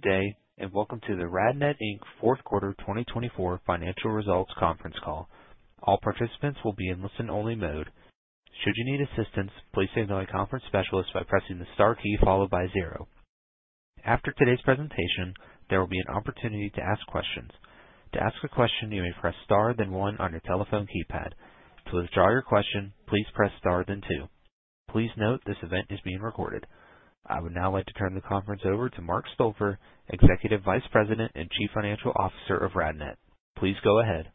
Good day, and welcome to the RadNet Inc. Fourth Quarter 2024 Financial Results Conference Call. All participants will be in listen-only mode. Should you need assistance, please contact the conference specialist by pressing the star key followed by zero. After today's presentation, there will be an opportunity to ask questions. To ask a question, you may press star then one on your telephone keypad. To withdraw your question, please press star then two. Please note this event is being recorded. I would now like to turn the conference over to Mark Stolper, Executive Vice President and Chief Financial Officer of RadNet. Please go ahead.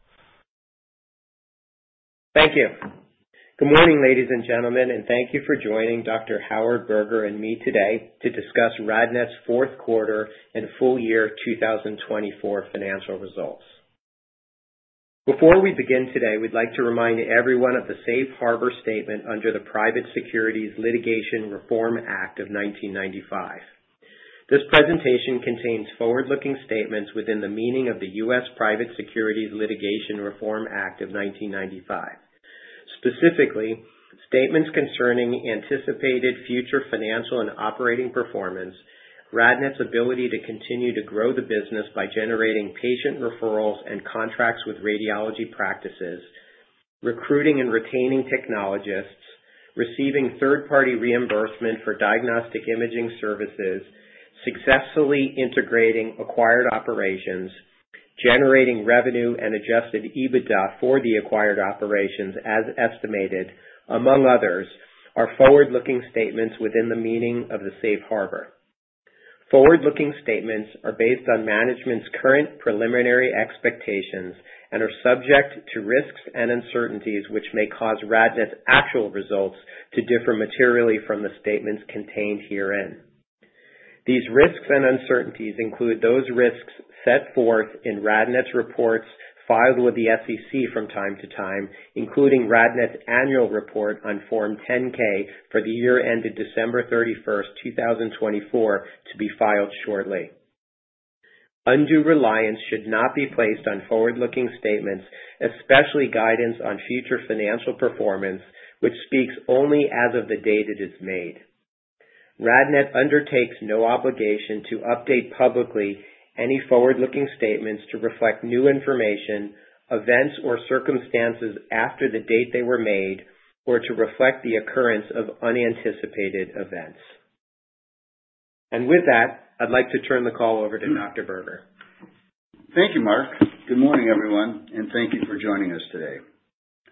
Thank you. Good morning, ladies and gentlemen, and thank you for joining Dr. Howard Berger and me today to discuss RadNet's fourth quarter and full year 2024 financial results. Before we begin today, we'd like to remind everyone of the Safe Harbor Statement under the Private Securities Litigation Reform Act of 1995. This presentation contains forward-looking statements within the meaning of the U.S. Private Securities Litigation Reform Act of 1995. Specifically, statements concerning anticipated future financial and operating performance, RadNet's ability to continue to grow the business by generating patient referrals and contracts with radiology practices, recruiting and retaining technologists, receiving third-party reimbursement for diagnostic imaging services, successfully integrating acquired operations, generating revenue and Adjusted EBITDA for the acquired operations as estimated, among others, are forward-looking statements within the meaning of the Safe Harbor. Forward-looking statements are based on management's current preliminary expectations and are subject to risks and uncertainties which may cause RadNet's actual results to differ materially from the statements contained herein. These risks and uncertainties include those risks set forth in RadNet's reports filed with the SEC from time to time, including RadNet's annual report on Form 10-K for the year ended December 31st, 2024, to be filed shortly. Undue reliance should not be placed on forward-looking statements, especially guidance on future financial performance, which speaks only as of the date it is made. RadNet undertakes no obligation to update publicly any forward-looking statements to reflect new information, events, or circumstances after the date they were made, or to reflect the occurrence of unanticipated events, and with that, I'd like to turn the call over to Dr. Berger. Thank you, Mark. Good morning, everyone, and thank you for joining us today.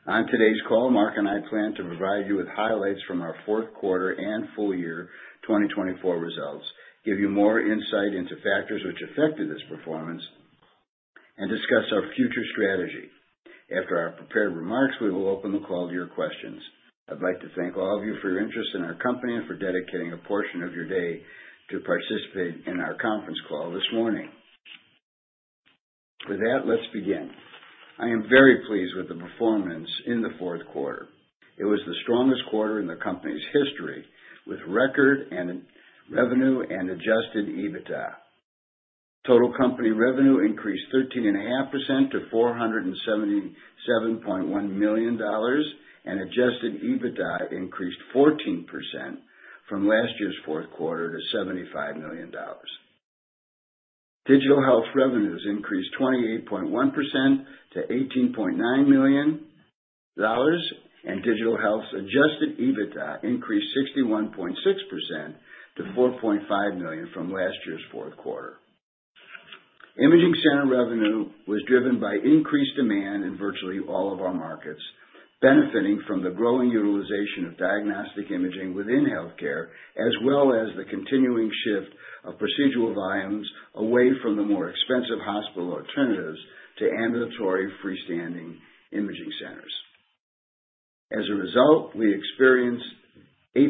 On today's call, Mark and I plan to provide you with highlights from our fourth quarter and full year 2024 results, give you more insight into factors which affected this performance, and discuss our future strategy. After our prepared remarks, we will open the call to your questions. I'd like to thank all of you for your interest in our company and for dedicating a portion of your day to participate in our conference call this morning. With that, let's begin. I am very pleased with the performance in the fourth quarter. It was the strongest quarter in the company's history with record revenue and Adjusted EBITDA. Total company revenue increased 13.5% to $477.1 million, and Adjusted EBITDA increased 14% from last year's fourth quarter to $75 million. Digital Health revenues increased 28.1% to $18.9 million, and Digital Health Adjusted EBITDA increased 61.6% to $4.5 million from last year's fourth quarter. Imaging center revenue was driven by increased demand in virtually all of our markets, benefiting from the growing utilization of diagnostic imaging within healthcare, as well as the continuing shift of procedural volumes away from the more expensive hospital alternatives to ambulatory freestanding imaging centers. As a result, we experienced 8%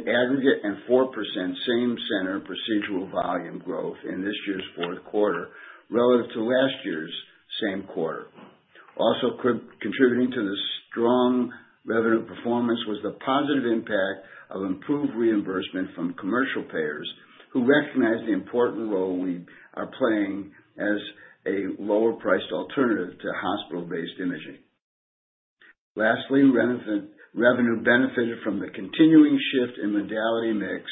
aggregate and 4% same-center procedural volume growth in this year's fourth quarter relative to last year's same quarter. Also contributing to the strong revenue performance was the positive impact of improved reimbursement from commercial payers who recognize the important role we are playing as a lower-priced alternative to hospital-based imaging. Lastly, revenue benefited from the continuing shift in modality mix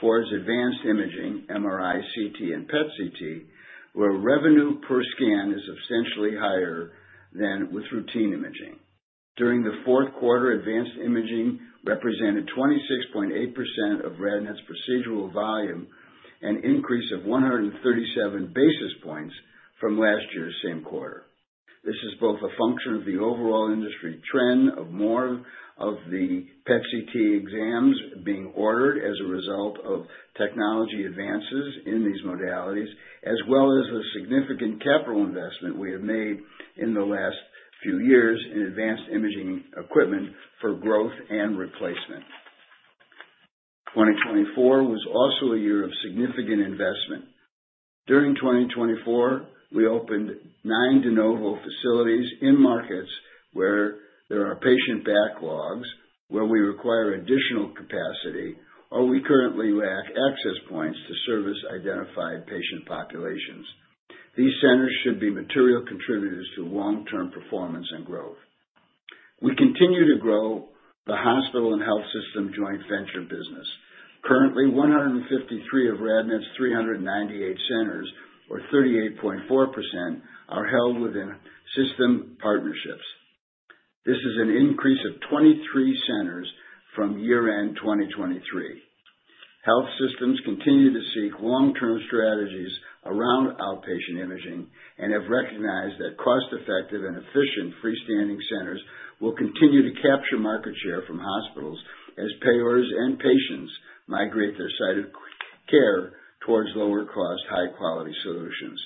towards advanced imaging, MRI, CT, and PET/CT, where revenue per scan is substantially higher than with routine imaging. During the fourth quarter, advanced imaging represented 26.8% of RadNet's procedural volume, an increase of 137 basis points from last year's same quarter. This is both a function of the overall industry trend of more of the PET/CT exams being ordered as a result of technology advances in these modalities, as well as the significant capital investment we have made in the last few years in advanced imaging equipment for growth and replacement. 2024 was also a year of significant investment. During 2024, we opened nine de novo facilities in markets where there are patient backlogs, where we require additional capacity, or we currently lack access points to service-identified patient populations. These centers should be material contributors to long-term performance and growth. We continue to grow the hospital and health system joint venture business. Currently, 153 of RadNet's 398 centers, or 38.4%, are held within system partnerships. This is an increase of 23 centers from year-end 2023. Health systems continue to seek long-term strategies around outpatient imaging and have recognized that cost-effective and efficient freestanding centers will continue to capture market share from hospitals as payers and patients migrate their site of care towards lower-cost, high-quality solutions.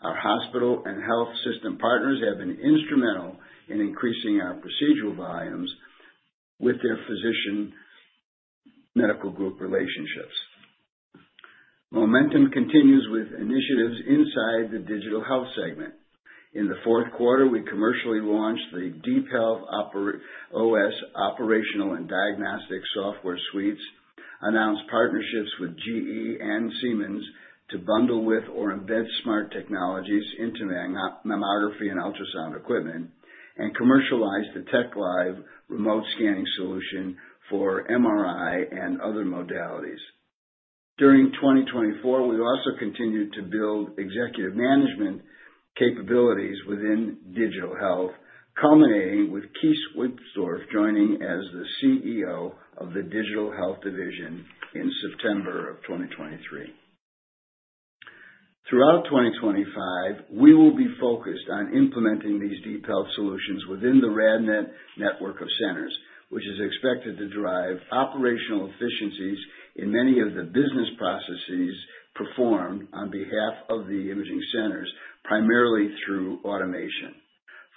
Our hospital and health system partners have been instrumental in increasing our procedural volumes with their physician medical group relationships. Momentum continues with initiatives inside the Digital Health segment. In the fourth quarter, we commercially launched the DeepHealth OS operational and diagnostic software suites, announced partnerships with GE and Siemens to bundle with or embed smart technologies into mammography and ultrasound equipment, and commercialized the TechLive remote scanning solution for MRI and other modalities. During 2024, we also continued to build executive management capabilities within Digital Health, culminating with Kees Wesdorp joining as the CEO of the Digital Health division in September of 2023. Throughout 2025, we will be focused on implementing these DeepHealth solutions within the RadNet network of centers, which is expected to drive operational efficiencies in many of the business processes performed on behalf of the imaging centers, primarily through automation.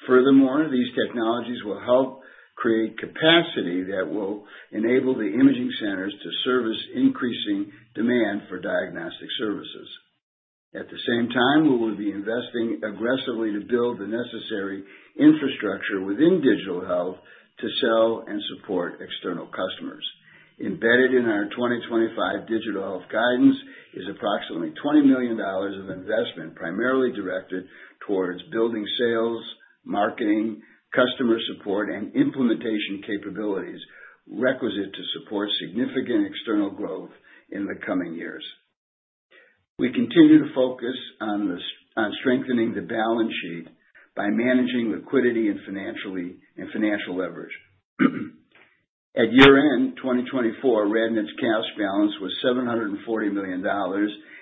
Furthermore, these technologies will help create capacity that will enable the imaging centers to service increasing demand for diagnostic services. At the same time, we will be investing aggressively to build the necessary infrastructure within Digital Health to sell and support external customers. Embedded in our 2025 Digital Health guidance is approximately $20 million of investment, primarily directed towards building sales, marketing, customer support, and implementation capabilities requisite to support significant external growth in the coming years. We continue to focus on strengthening the balance sheet by managing liquidity and financial leverage. At year-end 2024, RadNet's cash balance was $740 million,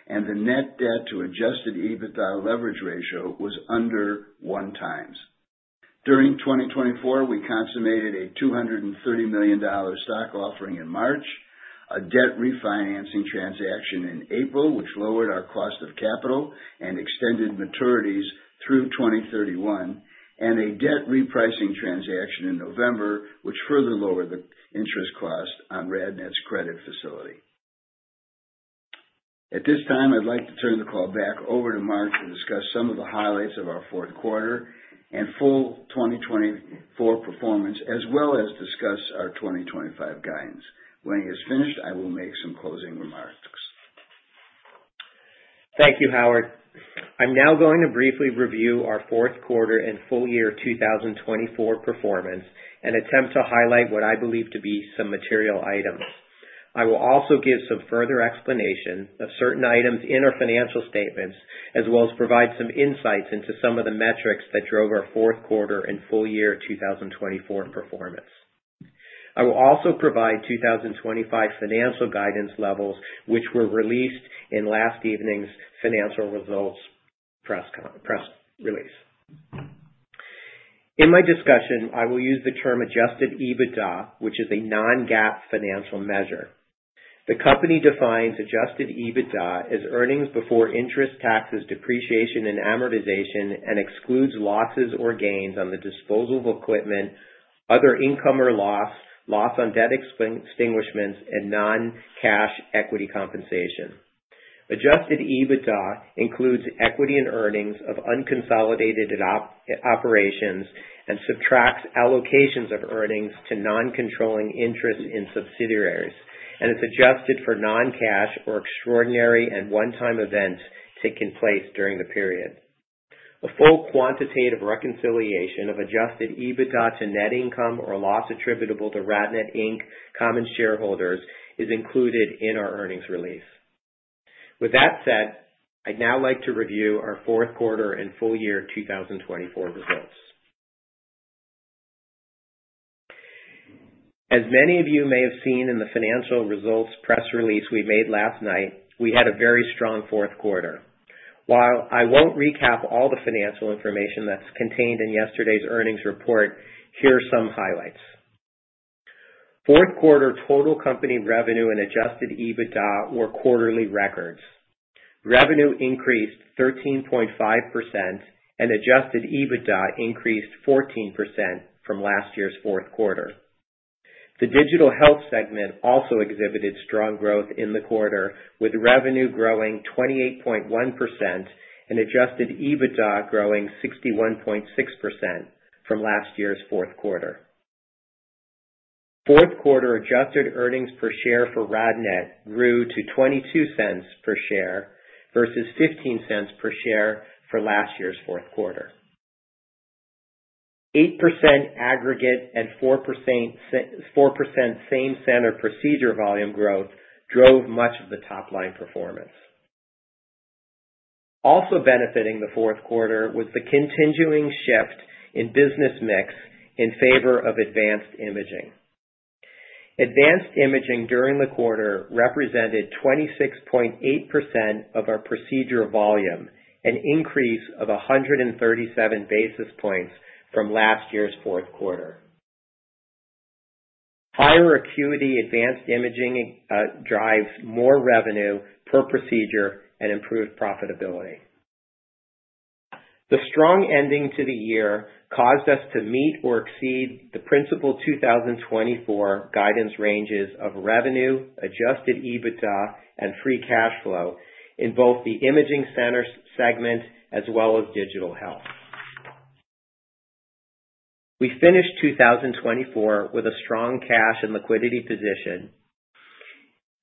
and the net debt to Adjusted EBITDA leverage ratio was under one times. During 2024, we consummated a $230 million stock offering in March, a debt refinancing transaction in April, which lowered our cost of capital and extended maturities through 2031, and a debt repricing transaction in November, which further lowered the interest cost on RadNet's credit facility. At this time, I'd like to turn the call back over to Mark to discuss some of the highlights of our fourth quarter and full 2024 performance, as well as discuss our 2025 guidance. When he is finished, I will make some closing remarks. Thank you, Howard. I'm now going to briefly review our fourth quarter and full year 2024 performance and attempt to highlight what I believe to be some material items. I will also give some further explanation of certain items in our financial statements, as well as provide some insights into some of the metrics that drove our fourth quarter and full year 2024 performance. I will also provide 2025 financial guidance levels, which were released in last evening's financial results press release. In my discussion, I will use the term Adjusted EBITDA, which is a non-GAAP financial measure. The company defines Adjusted EBITDA as earnings before interest, taxes, depreciation, and amortization, and excludes losses or gains on the disposal of equipment, other income or loss, loss on debt extinguishments, and non-cash equity compensation. Adjusted EBITDA includes equity and earnings of unconsolidated operations and subtracts allocations of earnings to non-controlling interest in subsidiaries, and it's adjusted for non-cash or extraordinary and one-time events taking place during the period. A full quantitative reconciliation of adjusted EBITDA to net income or loss attributable to RadNet, Inc., common shareholders is included in our earnings release. With that said, I'd now like to review our fourth quarter and full year 2024 results. As many of you may have seen in the financial results press release we made last night, we had a very strong fourth quarter. While I won't recap all the financial information that's contained in yesterday's earnings report, here are some highlights. Fourth quarter total company revenue and adjusted EBITDA were quarterly records. Revenue increased 13.5%, and adjusted EBITDA increased 14% from last year's fourth quarter. The Digital Health segment also exhibited strong growth in the quarter, with revenue growing 28.1% and Adjusted EBITDA growing 61.6% from last year's fourth quarter. Fourth quarter adjusted earnings per share for RadNet grew to $0.22 per share versus $0.15 per share for last year's fourth quarter. 8% aggregate and 4% same-center procedure volume growth drove much of the top-line performance. Also benefiting the fourth quarter was the continuing shift in business mix in favor of advanced imaging. Advanced imaging during the quarter represented 26.8% of our procedure volume, an increase of 137 basis points from last year's fourth quarter. Higher acuity advanced imaging drives more revenue per procedure and improved profitability. The strong ending to the year caused us to meet or exceed the principal 2024 guidance ranges of revenue, Adjusted EBITDA, and free cash flow in both the Imaging Center segment as well as Digital Health. We finished 2024 with a strong cash and liquidity position.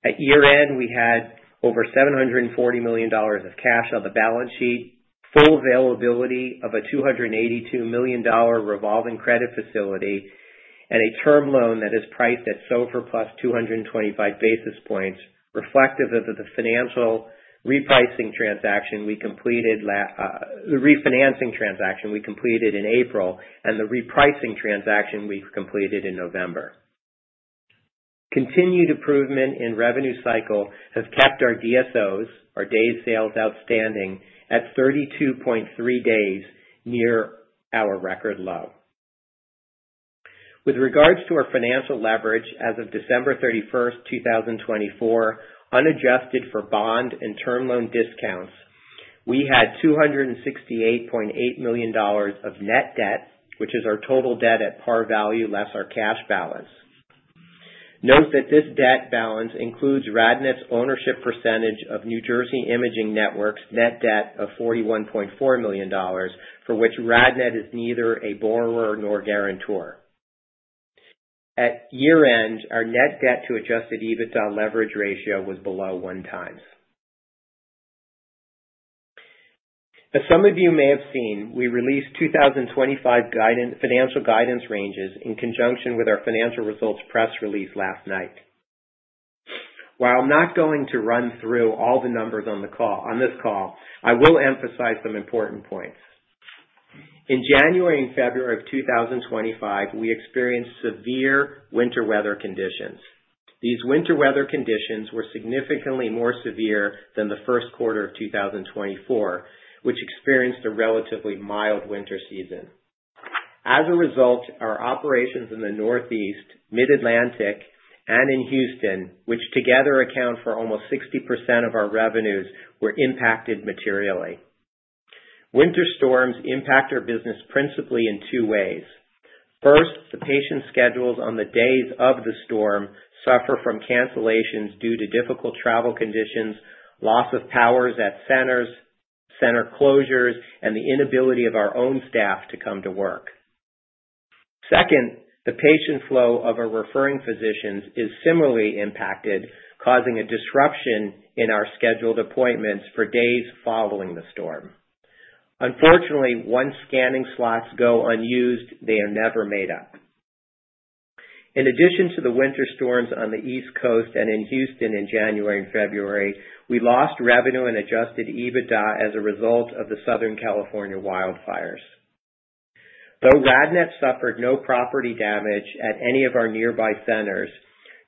At year-end, we had over $740 million of cash on the balance sheet, full availability of a $282 million revolving credit facility, and a term loan that is priced at SOFR plus 225 basis points, reflective of the refinancing transaction we completed in April and the repricing transaction we completed in November. Continued improvement in revenue cycle has kept our DSOs, our Days Sales Outstanding, at 32.3 days, near our record low. With regards to our financial leverage as of December 31st, 2024, unadjusted for bond and term loan discounts, we had $268.8 million of net debt, which is our total debt at par value less our cash balance. Note that this debt balance includes RadNet's ownership percentage of New Jersey Imaging Network's net debt of $41.4 million, for which RadNet is neither a borrower nor guarantor. At year-end, our net debt to Adjusted EBITDA leverage ratio was below one times. As some of you may have seen, we released 2025 financial guidance ranges in conjunction with our financial results press release last night. While I'm not going to run through all the numbers on this call, I will emphasize some important points. In January and February of 2025, we experienced severe winter weather conditions. These winter weather conditions were significantly more severe than the first quarter of 2024, which experienced a relatively mild winter season. As a result, our operations in the Northeast, Mid-Atlantic, and in Houston, which together account for almost 60% of our revenues, were impacted materially. Winter storms impact our business principally in two ways. First, the patient schedules on the days of the storm suffer from cancellations due to difficult travel conditions, loss of powers at centers, center closures, and the inability of our own staff to come to work. Second, the patient flow of our referring physicians is similarly impacted, causing a disruption in our scheduled appointments for days following the storm. Unfortunately, once scanning slots go unused, they are never made up. In addition to the winter storms on the East Coast and in Houston in January and February, we lost revenue and Adjusted EBITDA as a result of the Southern California wildfires. Though RadNet suffered no property damage at any of our nearby centers,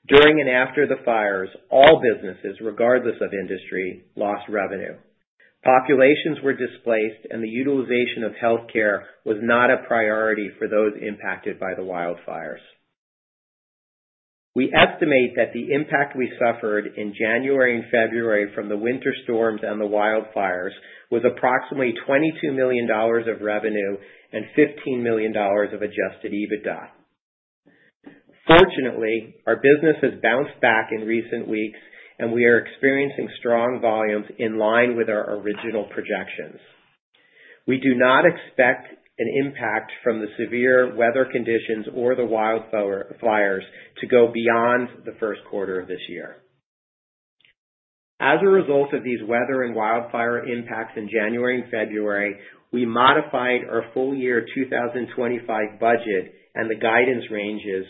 during and after the fires, all businesses, regardless of industry, lost revenue. Populations were displaced, and the utilization of healthcare was not a priority for those impacted by the wildfires. We estimate that the impact we suffered in January and February from the winter storms and the wildfires was approximately $22 million of revenue and $15 million of Adjusted EBITDA. Fortunately, our business has bounced back in recent weeks, and we are experiencing strong volumes in line with our original projections. We do not expect an impact from the severe weather conditions or the wildfires to go beyond the first quarter of this year. As a result of these weather and wildfire impacts in January and February, we modified our full year 2025 budget and the guidance ranges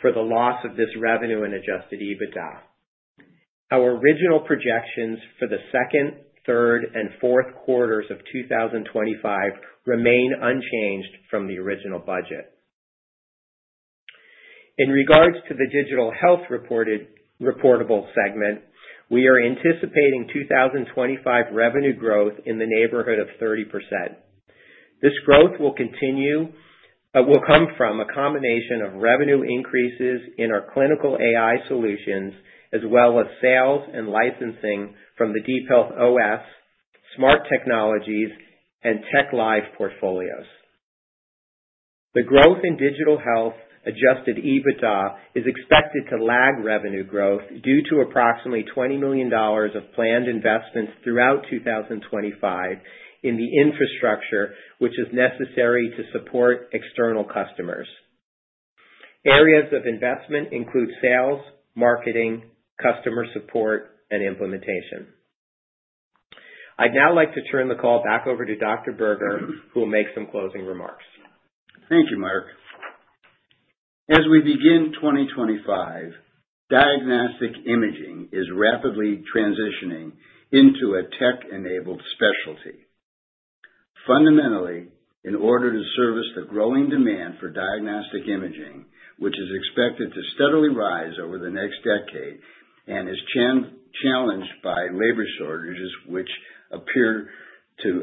for the loss of this revenue and Adjusted EBITDA. Our original projections for the second, third, and fourth quarters of 2025 remain unchanged from the original budget. In regards to the Digital Health reportable segment, we are anticipating 2025 revenue growth in the neighborhood of 30%. This growth will come from a combination of revenue increases in our clinical AI solutions, as well as sales and licensing from the DeepHealth OS, smart technologies, and TechLive portfolios. The growth in Digital Health Adjusted EBITDA is expected to lag revenue growth due to approximately $20 million of planned investments throughout 2025 in the infrastructure, which is necessary to support external customers. Areas of investment include sales, marketing, customer support, and implementation. I'd now like to turn the call back over to Dr. Berger, who will make some closing remarks. Thank you, Mark. As we begin 2025, diagnostic imaging is rapidly transitioning into a tech-enabled specialty. Fundamentally, in order to service the growing demand for diagnostic imaging, which is expected to steadily rise over the next decade and is challenged by labor shortages, which appear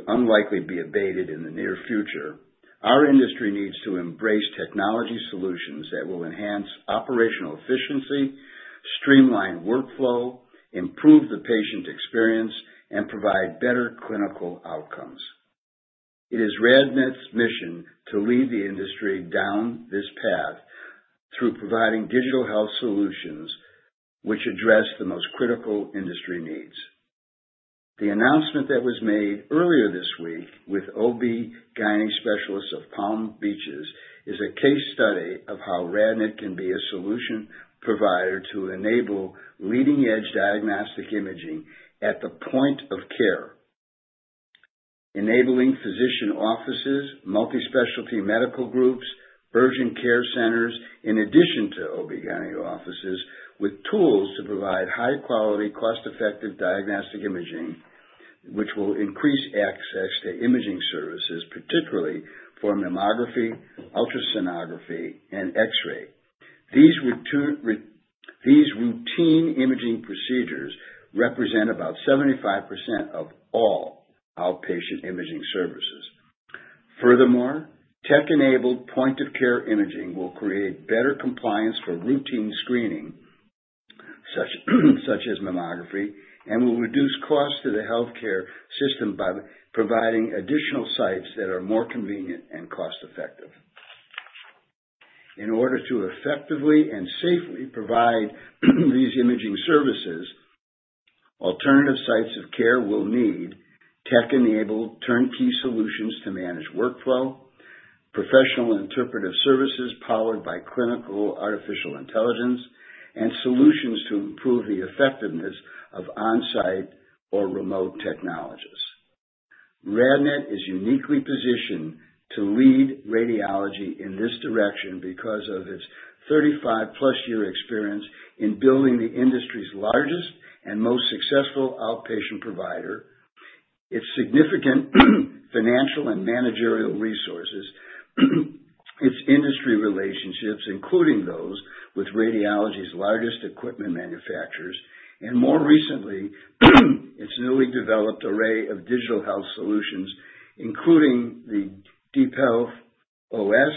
unlikely to be abated in the near future, our industry needs to embrace technology solutions that will enhance operational efficiency, streamline workflow, improve the patient experience, and provide better clinical outcomes. It is RadNet's mission to lead the industry down this path through providing Digital Health solutions which address the most critical industry needs. The announcement that was made earlier this week with OB/GYN Specialists of the Palm Beaches is a case study of how RadNet can be a solution provider to enable leading-edge diagnostic imaging at the point of care, enabling physician offices, multispecialty medical groups, urgent care centers, in addition to OB-GYN offices, with tools to provide high-quality, cost-effective diagnostic imaging, which will increase access to imaging services, particularly for mammography, ultrasonography, and X-ray. These routine imaging procedures represent about 75% of all outpatient imaging services. Furthermore, tech-enabled point-of-care imaging will create better compliance for routine screening, such as mammography, and will reduce costs to the healthcare system by providing additional sites that are more convenient and cost-effective. In order to effectively and safely provide these imaging services, alternative sites of care will need tech-enabled turnkey solutions to manage workflow, professional interpretive services powered by clinical artificial intelligence, and solutions to improve the effectiveness of on-site or remote technologies. RadNet is uniquely positioned to lead radiology in this direction because of its 35-plus year experience in building the industry's largest and most successful outpatient provider, its significant financial and managerial resources, its industry relationships, including those with radiology's largest equipment manufacturers, and more recently, its newly developed array of Digital Health solutions, including the DeepHealth OS,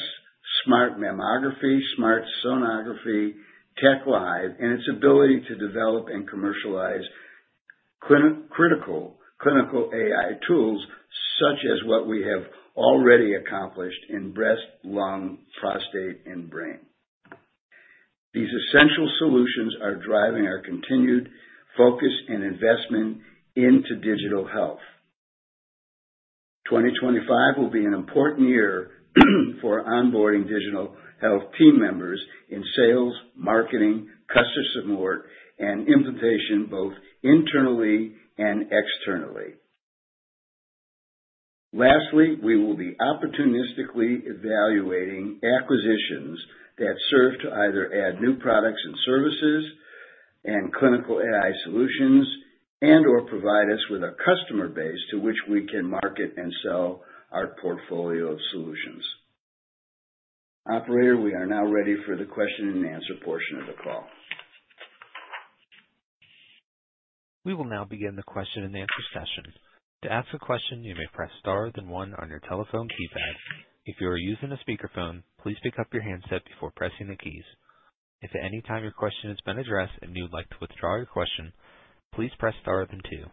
SmartMammo, Smart Sonography, TechLive, and its ability to develop and commercialize critical clinical AI tools, such as what we have already accomplished in breast, lung, prostate, and brain. These essential solutions are driving our continued focus and investment into Digital Health. 2025 will be an important year for onboarding Digital Health team members in sales, marketing, customer support, and implementation, both internally and externally. Lastly, we will be opportunistically evaluating acquisitions that serve to either add new products and services and clinical AI solutions and/or provide us with a customer base to which we can market and sell our portfolio of solutions. Operator, we are now ready for the question-and-answer portion of the call. We will now begin the question-and-answer session. To ask a question, you may press star then one on your telephone keypad. If you are using a speakerphone, please pick up your handset before pressing the keys. If at any time your question has been addressed and you'd like to withdraw your question, please press star then two.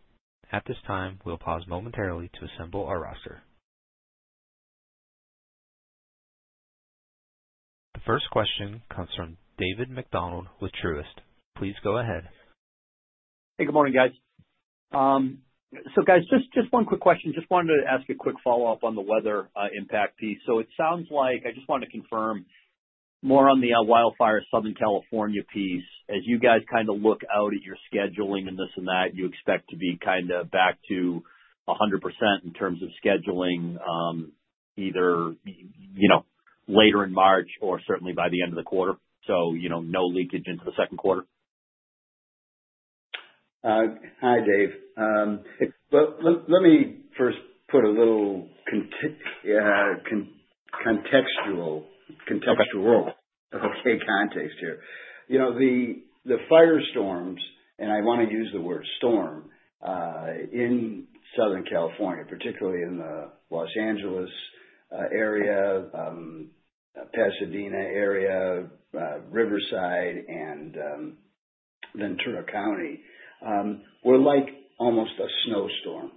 At this time, we'll pause momentarily to assemble our roster. The first question comes from David MacDonald with Truist. Please go ahead. Hey, good morning, guys. So, guys, just one quick question. Just wanted to ask a quick follow-up on the weather impact piece. So it sounds like I just want to confirm more on the wildfire Southern California piece. As you guys kind of look out at your scheduling and this and that, you expect to be kind of back to 100% in terms of scheduling either later in March or certainly by the end of the quarter, so no leakage into the second quarter? Hi, Dave. Let me first put a little context here. The firestorms, and I want to use the word storm, in Southern California, particularly in the Los Angeles area, Pasadena area, Riverside, and Ventura County, were like almost a snowstorm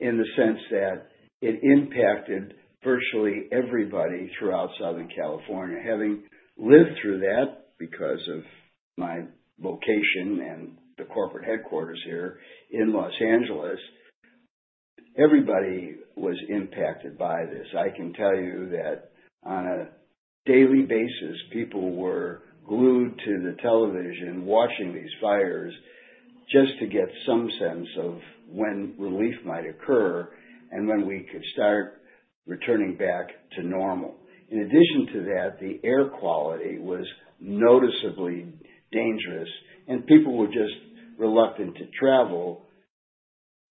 in the sense that it impacted virtually everybody throughout Southern California. Having lived through that, because of my location and the corporate headquarters here in Los Angeles, everybody was impacted by this. I can tell you that on a daily basis, people were glued to the television watching these fires just to get some sense of when relief might occur and when we could start returning back to normal. In addition to that, the air quality was noticeably dangerous, and people were just reluctant to travel,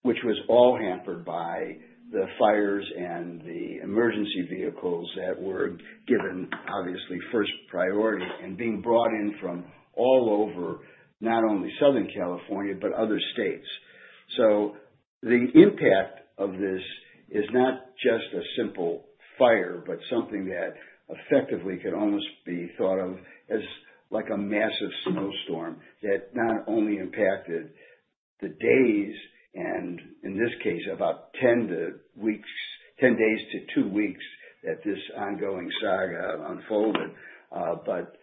which was all hampered by the fires and the emergency vehicles that were given, obviously, first priority and being brought in from all over, not only Southern California, but other states, so the impact of this is not just a simple fire, but something that effectively can almost be thought of as like a massive snowstorm that not only impacted the days, and in this case, about 10 days to two weeks that this ongoing saga unfolded, but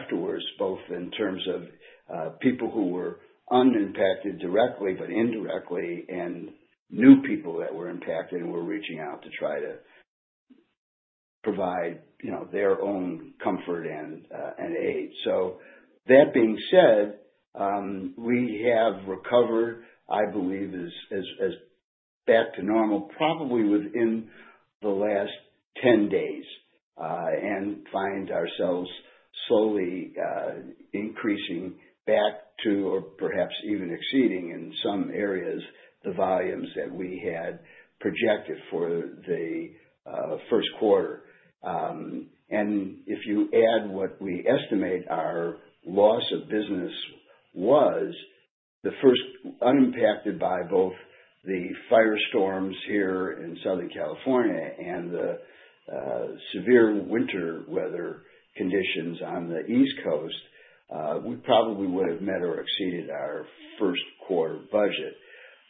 afterwards, both in terms of people who were unimpacted directly, but indirectly, and new people that were impacted and were reaching out to try to provide their own comfort and aid. So that being said, we have recovered, I believe, back to normal probably within the last 10 days and find ourselves slowly increasing back to, or perhaps even exceeding in some areas, the volumes that we had projected for the first quarter. And if you add what we estimate our loss of business was, unimpacted by both the firestorms here in Southern California and the severe winter weather conditions on the East Coast, we probably would have met or exceeded our first quarter budget.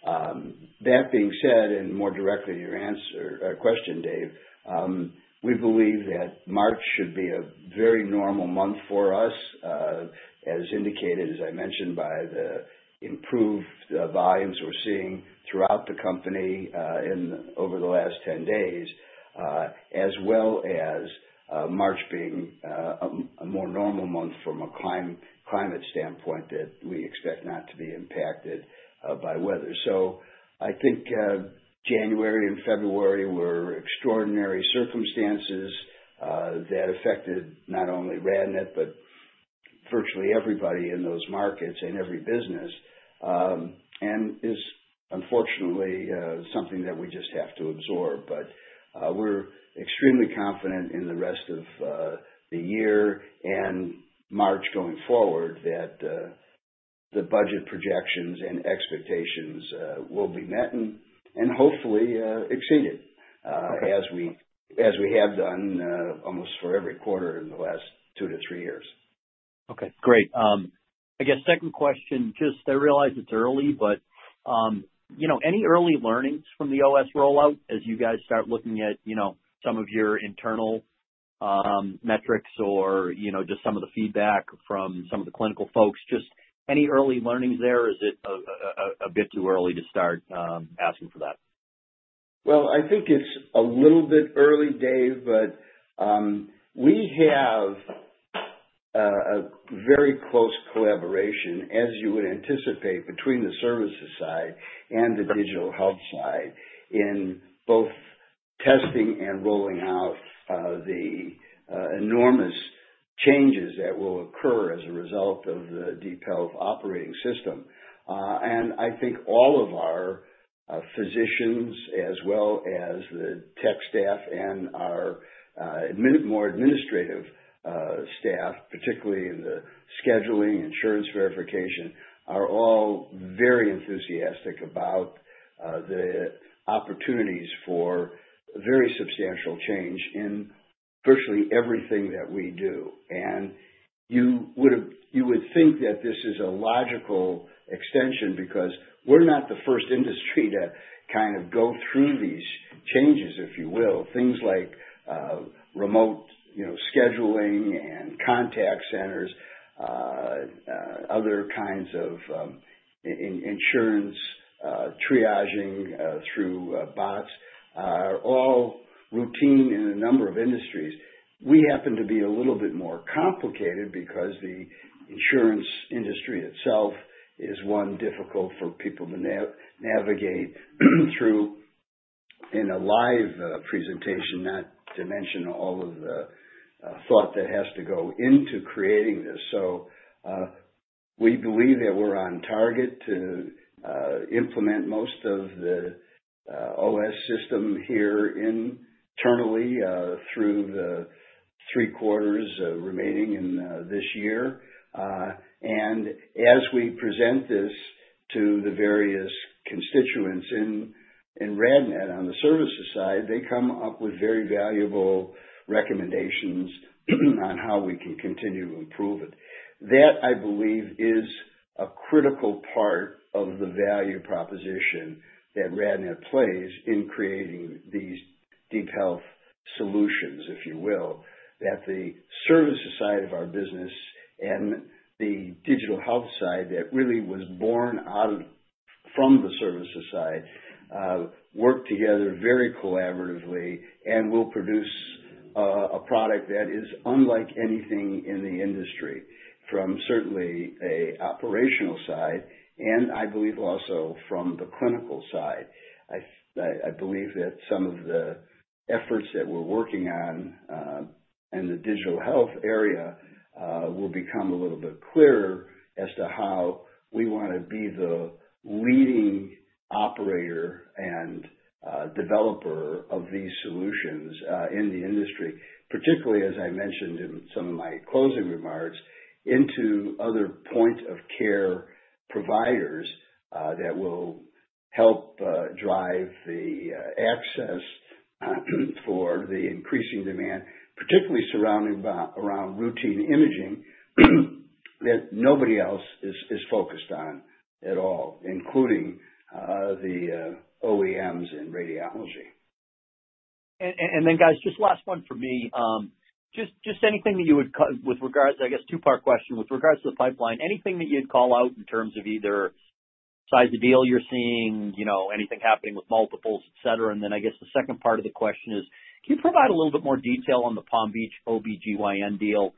That being said, and more directly to your question, Dave, we believe that March should be a very normal month for us, as indicated, as I mentioned, by the improved volumes we're seeing throughout the company over the last 10 days, as well as March being a more normal month from a climate standpoint that we expect not to be impacted by weather. So I think January and February were extraordinary circumstances that affected not only RadNet, but virtually everybody in those markets and every business, and is unfortunately something that we just have to absorb. But we're extremely confident in the rest of the year and March going forward that the budget projections and expectations will be met and hopefully exceeded as we have done almost for every quarter in the last two to three years. Okay. Great. I guess second question, just I realize it's early, but any early learnings from the OS rollout as you guys start looking at some of your internal metrics or just some of the feedback from some of the clinical folks? Just any early learnings there? Is it a bit too early to start asking for that? I think it's a little bit early, Dave, but we have a very close collaboration, as you would anticipate, between the services side and the Digital Health side in both testing and rolling out the enormous changes that will occur as a result of the DeepHealth operating system. I think all of our physicians, as well as the tech staff and our more administrative staff, particularly in the scheduling, insurance verification, are all very enthusiastic about the opportunities for very substantial change in virtually everything that we do. You would think that this is a logical extension because we're not the first industry to kind of go through these changes, if you will. Things like remote scheduling and contact centers, other kinds of insurance triaging through bots are all routine in a number of industries. We happen to be a little bit more complicated because the insurance industry itself is one difficult for people to navigate through in a live presentation, not to mention all of the thought that has to go into creating this. So we believe that we're on target to implement most of the OS system here internally through the three quarters remaining in this year, and as we present this to the various constituents in RadNet on the services side, they come up with very valuable recommendations on how we can continue to improve it. That, I believe, is a critical part of the value proposition that RadNet plays in creating these DeepHealth solutions, if you will, that the services side of our business and the Digital Health side that really was born from the services side work together very collaboratively and will produce a product that is unlike anything in the industry from certainly an operational side and, I believe, also from the clinical side. I believe that some of the efforts that we're working on in the Digital Health area will become a little bit clearer as to how we want to be the leading operator and developer of these solutions in the industry, particularly, as I mentioned in some of my closing remarks, into other point-of-care providers that will help drive the access for the increasing demand, particularly surrounding around routine imaging that nobody else is focused on at all, including the OEMs in radiology. And then, guys, just last one for me. Just anything that you would with regards to, I guess, two-part question with regards to the pipeline, anything that you'd call out in terms of either size of deal you're seeing, anything happening with multiples, etc. And then I guess the second part of the question is, can you provide a little bit more detail on the Palm Beaches OB-GYN deal?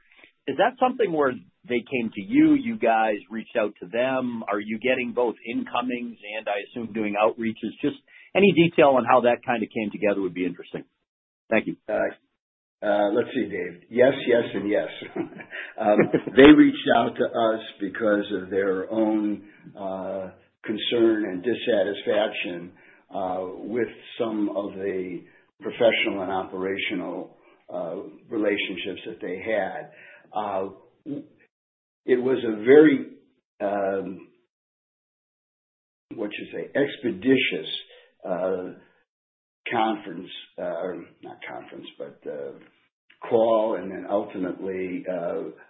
Is that something where they came to you, you guys reached out to them? Are you getting both incomings and, I assume, doing outreaches? Just any detail on how that kind of came together would be interesting. Thank you. Let's see, Dave. Yes, yes, and yes. They reached out to us because of their own concern and dissatisfaction with some of the professional and operational relationships that they had. It was a very, what should I say, expeditious conference, not conference, but call, and then ultimately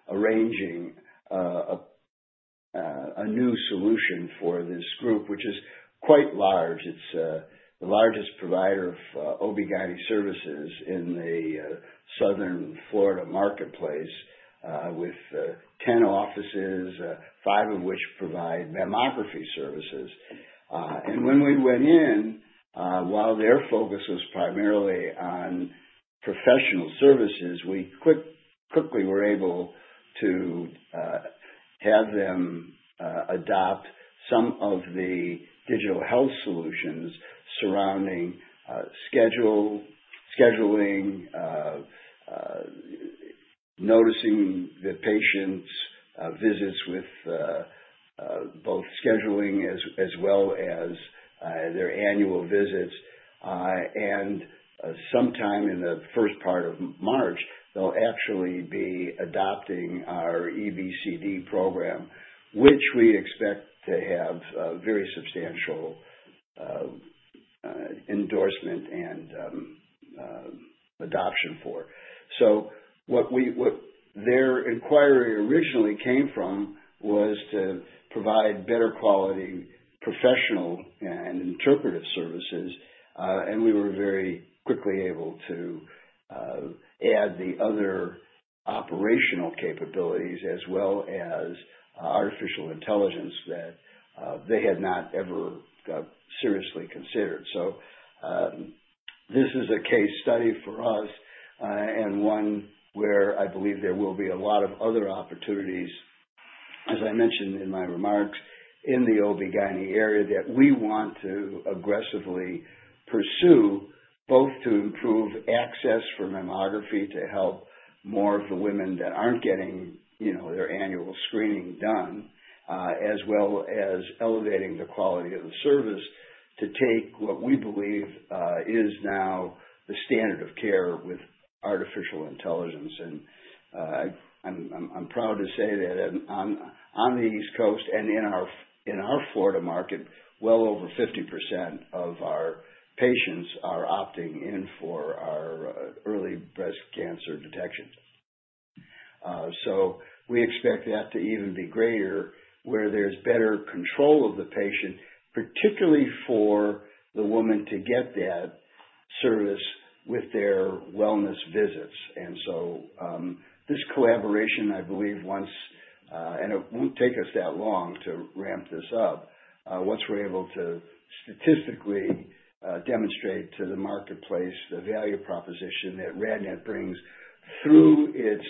arranging a new solution for this group, which is quite large. It's the largest provider of OB-GYN services in the Southern Florida marketplace with 10 offices, five of which provide mammography services. And when we went in, while their focus was primarily on professional services, we quickly were able to have them adopt some of the Digital Health solutions surrounding scheduling, noticing the patients' visits with both scheduling as well as their annual visits. And sometime in the first part of March, they'll actually be adopting our EBCD program, which we expect to have very substantial endorsement and adoption for. What their inquiry originally came from was to provide better quality professional and interpretive services, and we were very quickly able to add the other operational capabilities as well as artificial intelligence that they had not ever seriously considered. This is a case study for us and one where I believe there will be a lot of other opportunities, as I mentioned in my remarks in the OB-GYN area, that we want to aggressively pursue both to improve access for mammography to help more of the women that aren't getting their annual screening done, as well as elevating the quality of the service to take what we believe is now the standard of care with artificial intelligence. I'm proud to say that on the East Coast and in our Florida market, well over 50% of our patients are opting in for our Early Breast Cancer Detection. So, we expect that to even be greater where there's better control of the patient, particularly for the woman to get that service with their wellness visits. And so, this collaboration, I believe, once, and it won't take us that long to ramp this up, once we're able to statistically demonstrate to the marketplace the value proposition that RadNet brings through its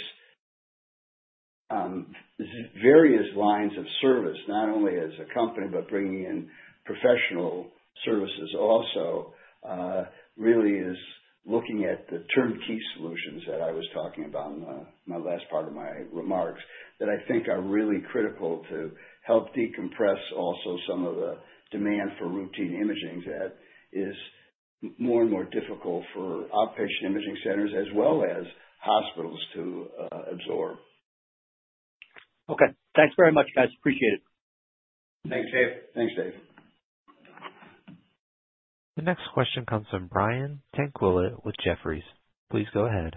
various lines of service, not only as a company, but bringing in professional services also, really is looking at the turnkey solutions that I was talking about in the last part of my remarks that I think are really critical to help decompress also some of the demand for routine imaging that is more and more difficult for outpatient imaging centers as well as hospitals to absorb. Okay. Thanks very much, guys. Appreciate it. Thanks, Dave. Thanks, Dave. The next question comes from Brian Tanquilut with Jefferies. Please go ahead.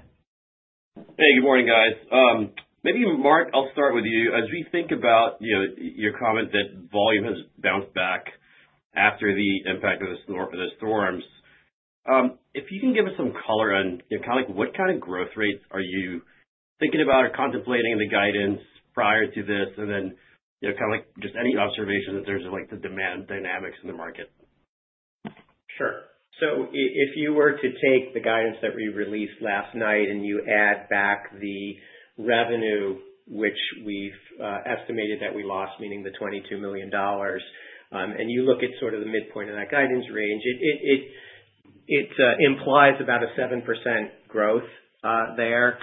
Hey, good morning, guys. Maybe, Mark, I'll start with you. As we think about your comment that volume has bounced back after the impact of the storms, if you can give us some color on kind of what kind of growth rates are you thinking about or contemplating in the guidance prior to this, and then kind of just any observations in terms of the demand dynamics in the market? Sure, so if you were to take the guidance that we released last night and you add back the revenue, which we've estimated that we lost, meaning the $22 million, and you look at sort of the midpoint of that guidance range, it implies about a 7% growth there,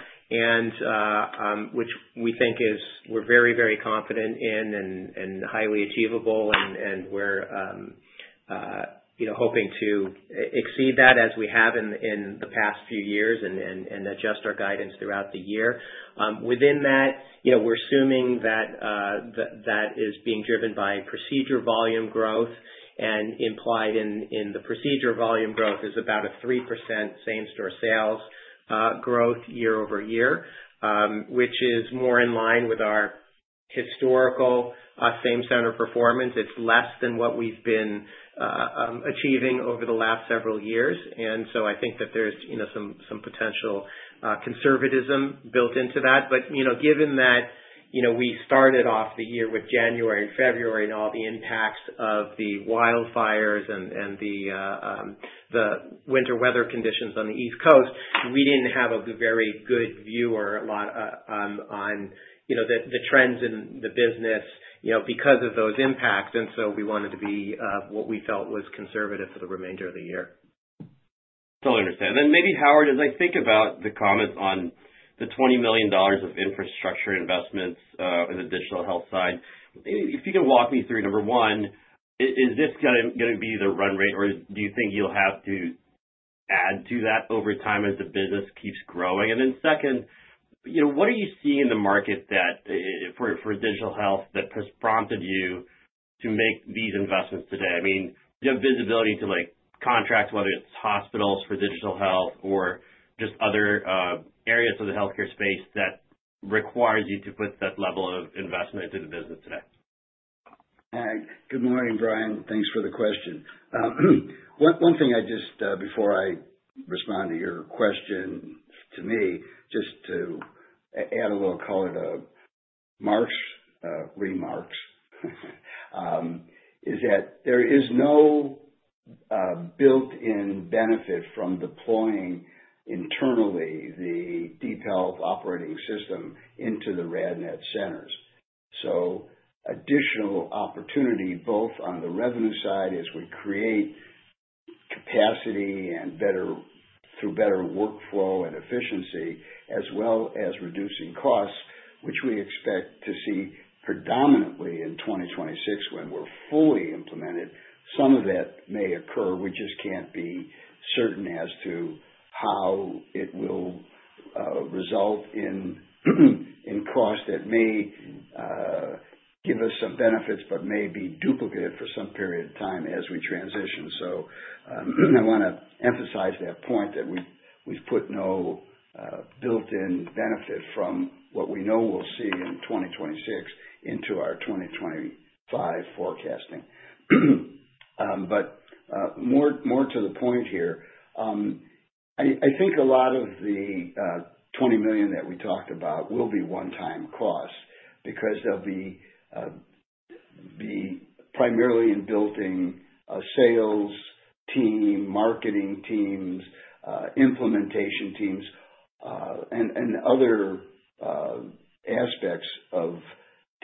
which we think we're very, very confident in and highly achievable, and we're hoping to exceed that as we have in the past few years and adjust our guidance throughout the year. Within that, we're assuming that that is being driven by procedure volume growth, and implied in the procedure volume growth is about a 3% same-store sales growth year over year, which is more in line with our historical same-center performance. It's less than what we've been achieving over the last several years, and so I think that there's some potential conservatism built into that. But given that we started off the year with January and February and all the impacts of the wildfires and the winter weather conditions on the East Coast, we didn't have a very good view or a lot on the trends in the business because of those impacts. And so we wanted to be what we felt was conservative for the remainder of the year. Totally understand, and then maybe, Howard, as I think about the comments on the $20 million of infrastructure investments in the Digital Health side, if you can walk me through, number one, is this going to be the run rate, or do you think you'll have to add to that over time as the business keeps growing, and then second, what are you seeing in the market for Digital Health that has prompted you to make these investments today? I mean, do you have visibility to contracts, whether it's hospitals for Digital Health or just other areas of the healthcare space that requires you to put that level of investment into the business today? Good morning, Brian. Thanks for the question. One thing I just before I respond to your question to me, just to add a little color to Mark's remarks, is that there is no built-in benefit from deploying internally the DeepHealth operating system into the RadNet centers. So additional opportunity both on the revenue side as we create capacity and through better workflow and efficiency, as well as reducing costs, which we expect to see predominantly in 2026 when we're fully implemented, some of that may occur. We just can't be certain as to how it will result in costs that may give us some benefits but may be duplicated for some period of time as we transition. So I want to emphasize that point that we've put no built-in benefit from what we know we'll see in 2026 into our 2025 forecasting. But more to the point here, I think a lot of the $20 million that we talked about will be one-time costs because they'll be primarily in building a sales team, marketing teams, implementation teams, and other aspects of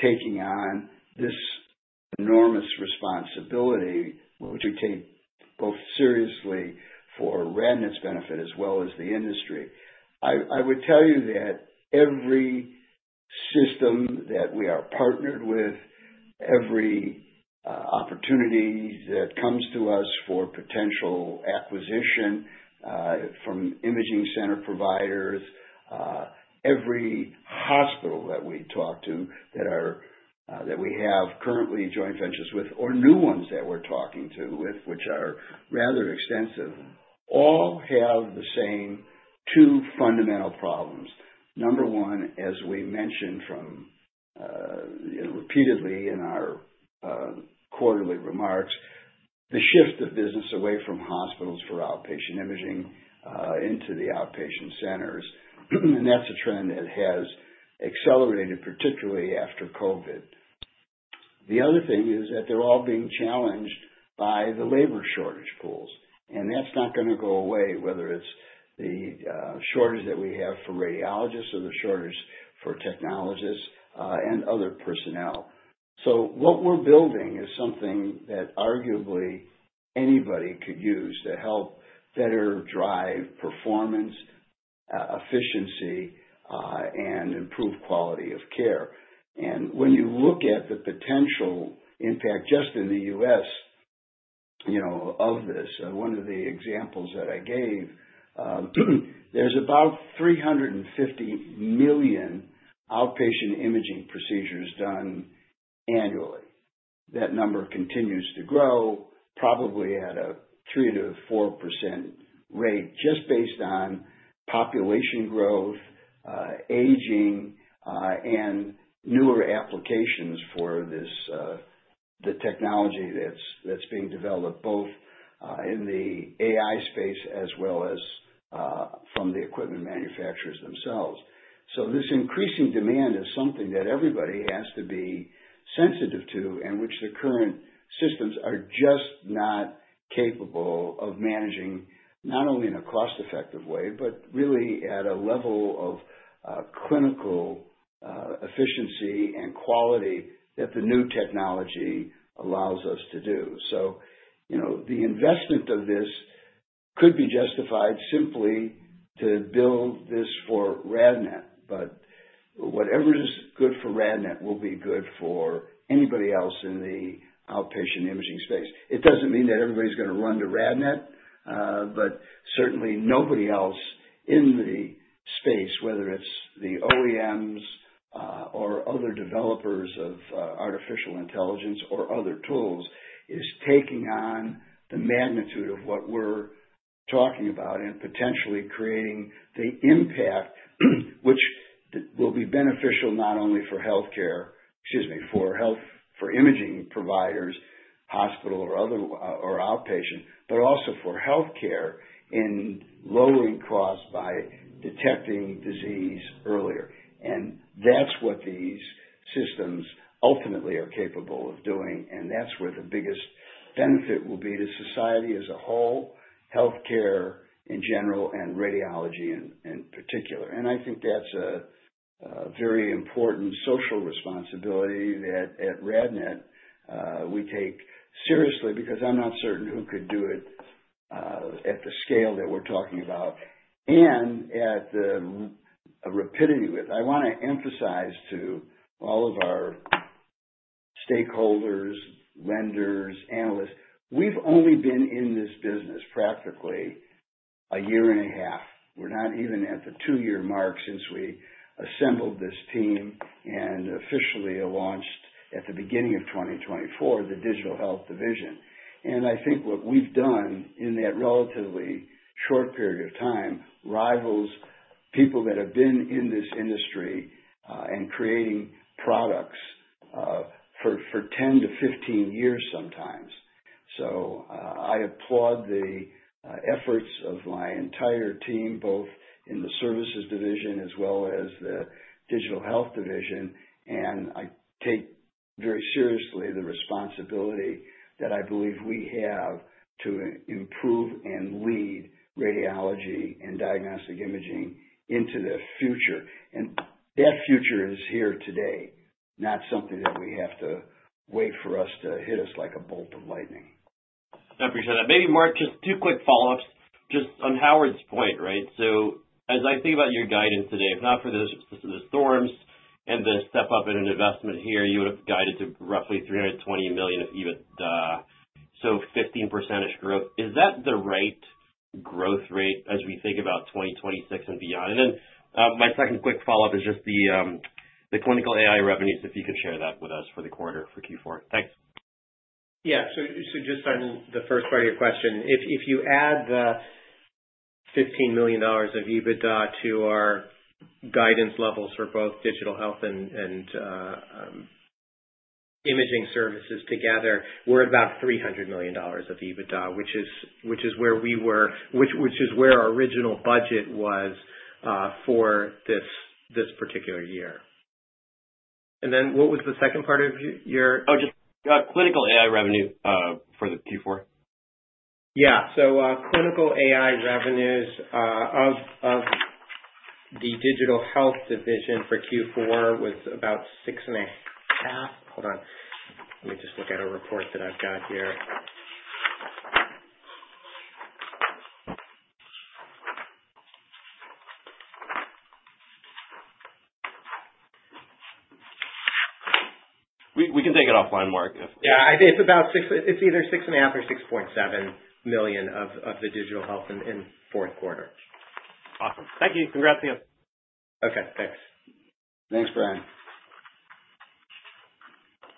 taking on this enormous responsibility, which we take both seriously for RadNet's benefit as well as the industry. I would tell you that every system that we are partnered with, every opportunity that comes to us for potential acquisition from imaging center providers, every hospital that we talk to that we have currently joint ventures with, or new ones that we're talking to, which are rather extensive, all have the same two fundamental problems. Number one, as we mentioned repeatedly in our quarterly remarks, the shift of business away from hospitals for outpatient imaging into the outpatient centers. And that's a trend that has accelerated particularly after COVID. The other thing is that they're all being challenged by the labor shortage pools. And that's not going to go away, whether it's the shortage that we have for radiologists or the shortage for technologists and other personnel. So what we're building is something that arguably anybody could use to help better drive performance, efficiency, and improve quality of care. And when you look at the potential impact just in the U.S. of this, one of the examples that I gave, there's about 350 million outpatient imaging procedures done annually. That number continues to grow, probably at a 3%-4% rate just based on population growth, aging, and newer applications for the technology that's being developed both in the AI space as well as from the equipment manufacturers themselves. So this increasing demand is something that everybody has to be sensitive to and which the current systems are just not capable of managing not only in a cost-effective way, but really at a level of clinical efficiency and quality that the new technology allows us to do. So the investment of this could be justified simply to build this for RadNet. But whatever is good for RadNet will be good for anybody else in the outpatient imaging space. It doesn't mean that everybody's going to run to RadNet, but certainly nobody else in the space, whether it's the OEMs or other developers of artificial intelligence or other tools, is taking on the magnitude of what we're talking about and potentially creating the impact, which will be beneficial not only for healthcare, excuse me, for imaging providers, hospital, or outpatient, but also for healthcare in lowering costs by detecting disease earlier. And that's what these systems ultimately are capable of doing. And that's where the biggest benefit will be to society as a whole, healthcare in general, and radiology in particular. And I think that's a very important social responsibility that at RadNet we take seriously because I'm not certain who could do it at the scale that we're talking about and at the rapidity with. I want to emphasize to all of our stakeholders, lenders, analysts, we've only been in this business practically a year and a half. We're not even at the two-year mark since we assembled this team and officially launched at the beginning of 2024 the Digital Health division. And I think what we've done in that relatively short period of time rivals people that have been in this industry and creating products for 10 to 15 years sometimes. I applaud the efforts of my entire team, both in the services division as well as the Digital Health division. I take very seriously the responsibility that I believe we have to improve and lead radiology and diagnostic imaging into the future. That future is here today, not something that we have to wait for us to hit us like a bolt of lightning. I appreciate that. Maybe, Mark, just two quick follow-ups just on Howard's point, right? So as I think about your guidance today, if not for the storms and the step-up in investment here, you would have guided to roughly $320 million if even so 15%-ish growth. Is that the right growth rate as we think about 2026 and beyond? And then my second quick follow-up is just the clinical AI revenues, if you could share that with us for the quarter for Q4. Thanks. Yeah. So just on the first part of your question, if you add the $15 million of EBITDA to our guidance levels for both Digital Health and imaging services together, we're about $300 million of EBITDA, which is where our original budget was for this particular year. And then what was the second part of your? Oh, just clinical AI revenue for the Q4. Yeah. So clinical AI revenues of the Digital Health division for Q4 was about $6.5. Hold on. Let me just look at a report that I've got here. We can take it offline, Mark. Yeah. It's either $6.5 million or $6.7 million of the Digital Health in fourth quarter. Awesome. Thank you. Congrats to you. Okay. Thanks. Thanks, Brian.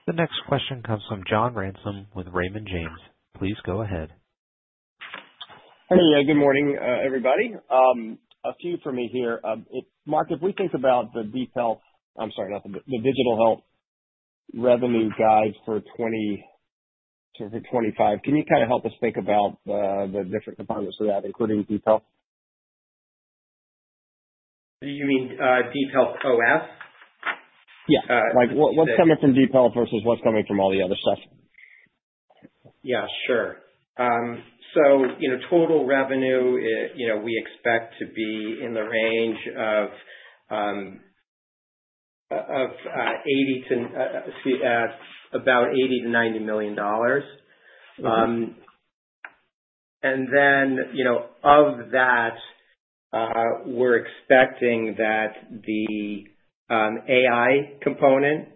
The next question comes from John Ransom with Raymond James. Please go ahead. Hey. Good morning, everybody. A few for me here. Mark, if we think about the DeepHealth. I'm sorry, not the DeepHealth. The Digital Health revenue guide for 2025, can you kind of help us think about the different components of that, including DeepHealth? You mean DeepHealth OS? Yeah. What's coming from DeepHealth versus what's coming from all the other stuff? Yeah. Sure. So total revenue, we expect to be in the range of about $80 million-$90 million. And then of that, we're expecting that the AI component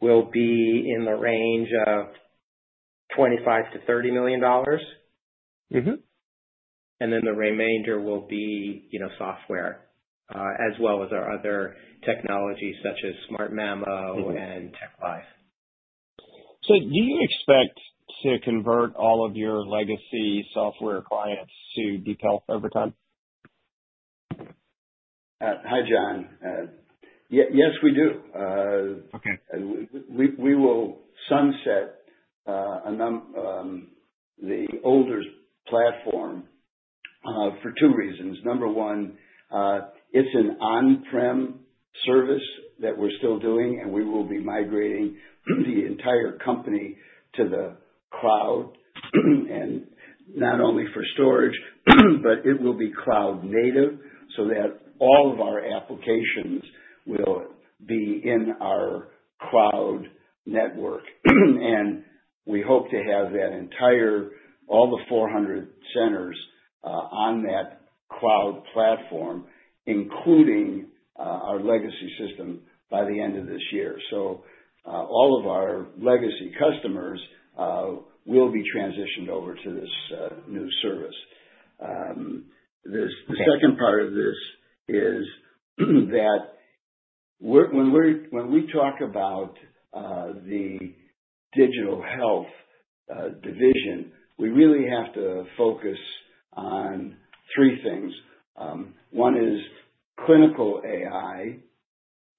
will be in the range of $25 million-$30 million. And then the remainder will be software as well as our other technology such as SmartMammo and TechLive. So do you expect to convert all of your legacy software clients to DeepHealth over time? Hi, John. Yes, we do. We will sunset the older platform for two reasons. Number one, it's an on-prem service that we're still doing, and we will be migrating the entire company to the cloud, and not only for storage, but it will be cloud-native so that all of our applications will be in our cloud network, and we hope to have all the 400 centers on that cloud platform, including our legacy system, by the end of this year, so all of our legacy customers will be transitioned over to this new service. The second part of this is that when we talk about the Digital Health division, we really have to focus on three things. One is clinical AI.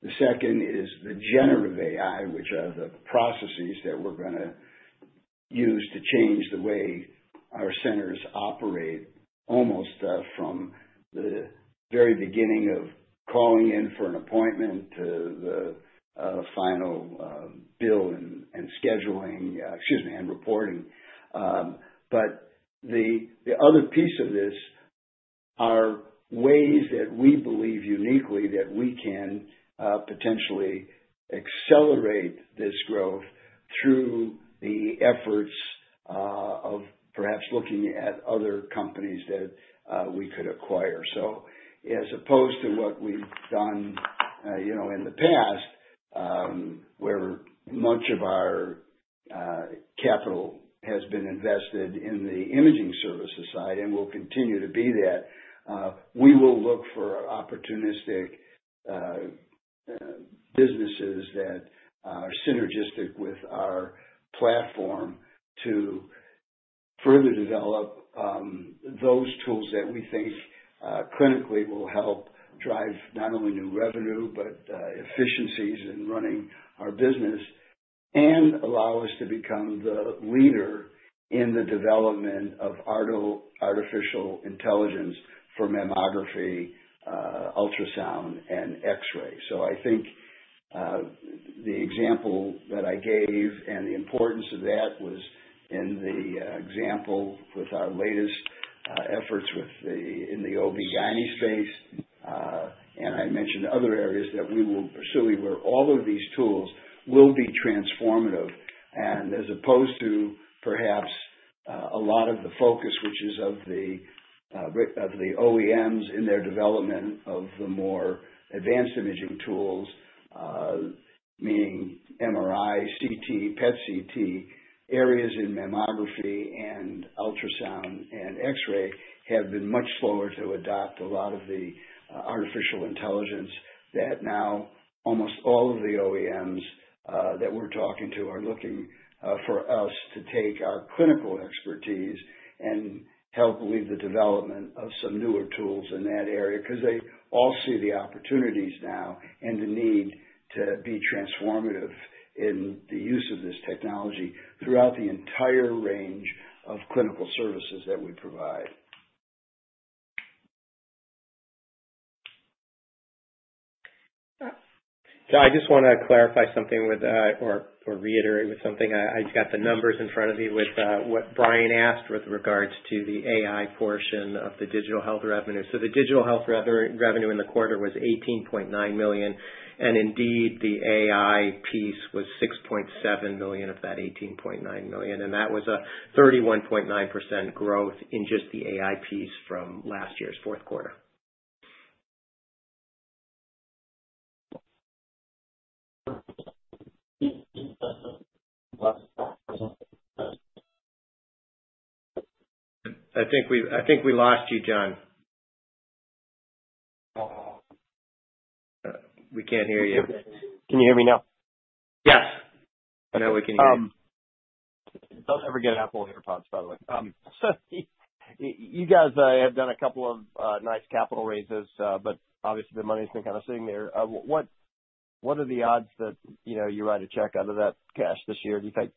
The second is the generative AI, which are the processes that we're going to use to change the way our centers operate almost from the very beginning of calling in for an appointment to the final bill and scheduling, excuse me, and reporting. But the other piece of this are ways that we believe uniquely that we can potentially accelerate this growth through the efforts of perhaps looking at other companies that we could acquire. So as opposed to what we've done in the past, where much of our capital has been invested in the imaging services side and will continue to be that, we will look for opportunistic businesses that are synergistic with our platform to further develop those tools that we think clinically will help drive not only new revenue but efficiencies in running our business and allow us to become the leader in the development of artificial intelligence for mammography, ultrasound, and X-ray. So I think the example that I gave and the importance of that was in the example with our latest efforts in the OB-GYN space. And I mentioned other areas that we will pursue where all of these tools will be transformative. And as opposed to perhaps a lot of the focus, which is of the OEMs in their development of the more advanced imaging tools, meaning MRI, CT, PET CT, areas in mammography and ultrasound and X-ray have been much slower to adopt a lot of the artificial intelligence that now almost all of the OEMs that we're talking to are looking for us to take our clinical expertise and help lead the development of some newer tools in that area because they all see the opportunities now and the need to be transformative in the use of this technology throughout the entire range of clinical services that we provide. I just want to clarify something with that or reiterate with something. I've got the numbers in front of me with what Brian asked with regards to the AI portion of the Digital Health revenue. The Digital Health revenue in the quarter was $18.9 million. And indeed, the AI piece was $6.7 million of that $18.9 million. And that was a 31.9% growth in just the AI piece from last year's fourth quarter. I think we lost you, John. We can't hear you. Can you hear me now? Yes. I know we can hear you. Don't ever get Apple AirPods, by the way. So you guys have done a couple of nice capital raises, but obviously, the money's been kind of sitting there. What are the odds that you write a check out of that cash this year, do you think?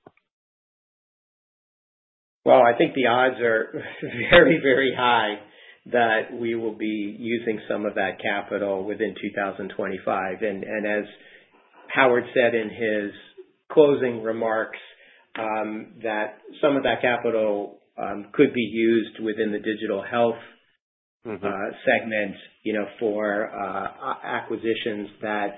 Well, I think the odds are very, very high that we will be using some of that capital within 2025. And as Howard said in his closing remarks, that some of that capital could be used within the Digital Health segment for acquisitions that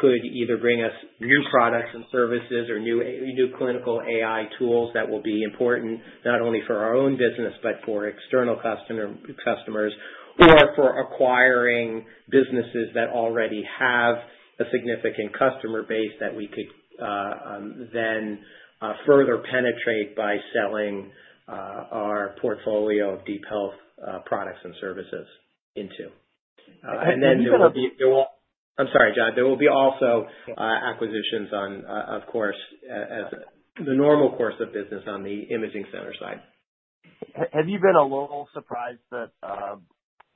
could either bring us new products and services or new clinical AI tools that will be important not only for our own business but for external customers or for acquiring businesses that already have a significant customer base that we could then further penetrate by selling our portfolio of DeepHealth products and services into. And then there will be. I'm sorry, John. There will be also acquisitions on, of course, the normal course of business on the imaging center side. Have you been a little surprised that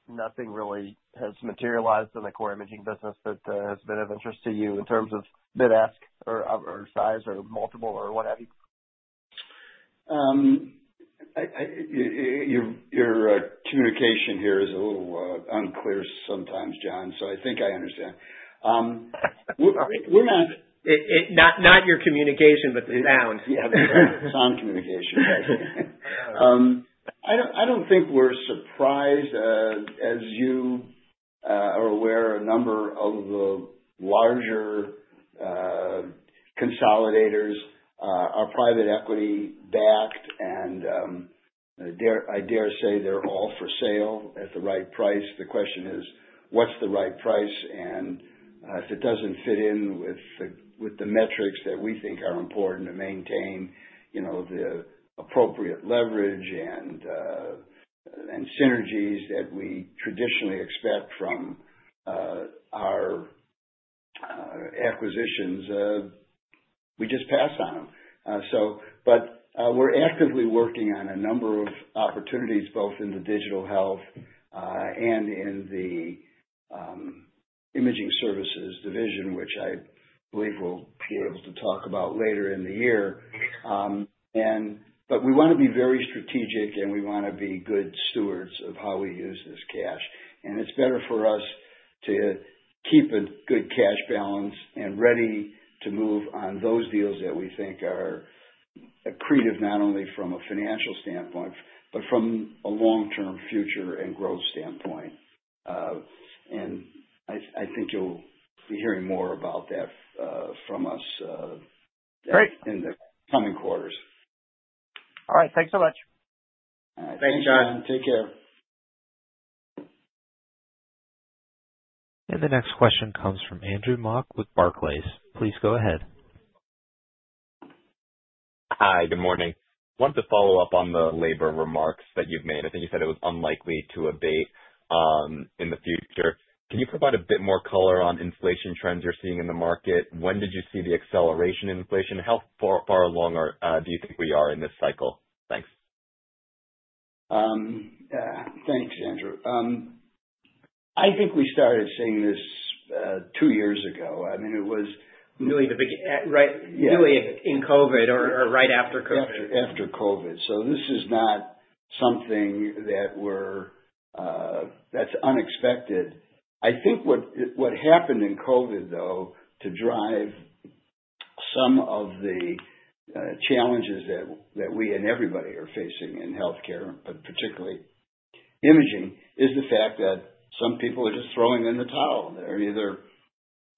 nothing really has materialized in the core imaging business that has been of interest to you in terms of bid ask or size or multiple or what have you? Your communication here is a little unclear sometimes, John, so I think I understand. Not your communication, but the sound. Yeah, the sound communication. I don't think we're surprised. As you are aware, a number of the larger consolidators are private equity-backed, and I dare say they're all for sale at the right price. The question is, what's the right price? And if it doesn't fit in with the metrics that we think are important to maintain the appropriate leverage and synergies that we traditionally expect from our acquisitions, we just pass on them. But we're actively working on a number of opportunities both in the Digital Health and in the Imaging Services division, which I believe we'll be able to talk about later in the year. But we want to be very strategic, and we want to be good stewards of how we use this cash. And it's better for us to keep a good cash balance and ready to move on those deals that we think are accretive not only from a financial standpoint but from a long-term future and growth standpoint. And I think you'll be hearing more about that from us in the coming quarters. All right. Thanks so much. Thanks, John. Take care. The next question comes from Andrew Mok with Barclays. Please go ahead. Hi. Good morning. I wanted to follow up on the labor remarks that you've made. I think you said it was unlikely to abate in the future. Can you provide a bit more color on inflation trends you're seeing in the market? When did you see the acceleration in inflation? How far along do you think we are in this cycle? Thanks. Thanks, Andrew. I think we started seeing this two years ago. I mean, it was really the big, right, really in COVID or right after COVID. Yes, after COVID. So this is not something that's unexpected. I think what happened in COVID, though, to drive some of the challenges that we and everybody are facing in healthcare, but particularly imaging, is the fact that some people are just throwing in the towel. They're either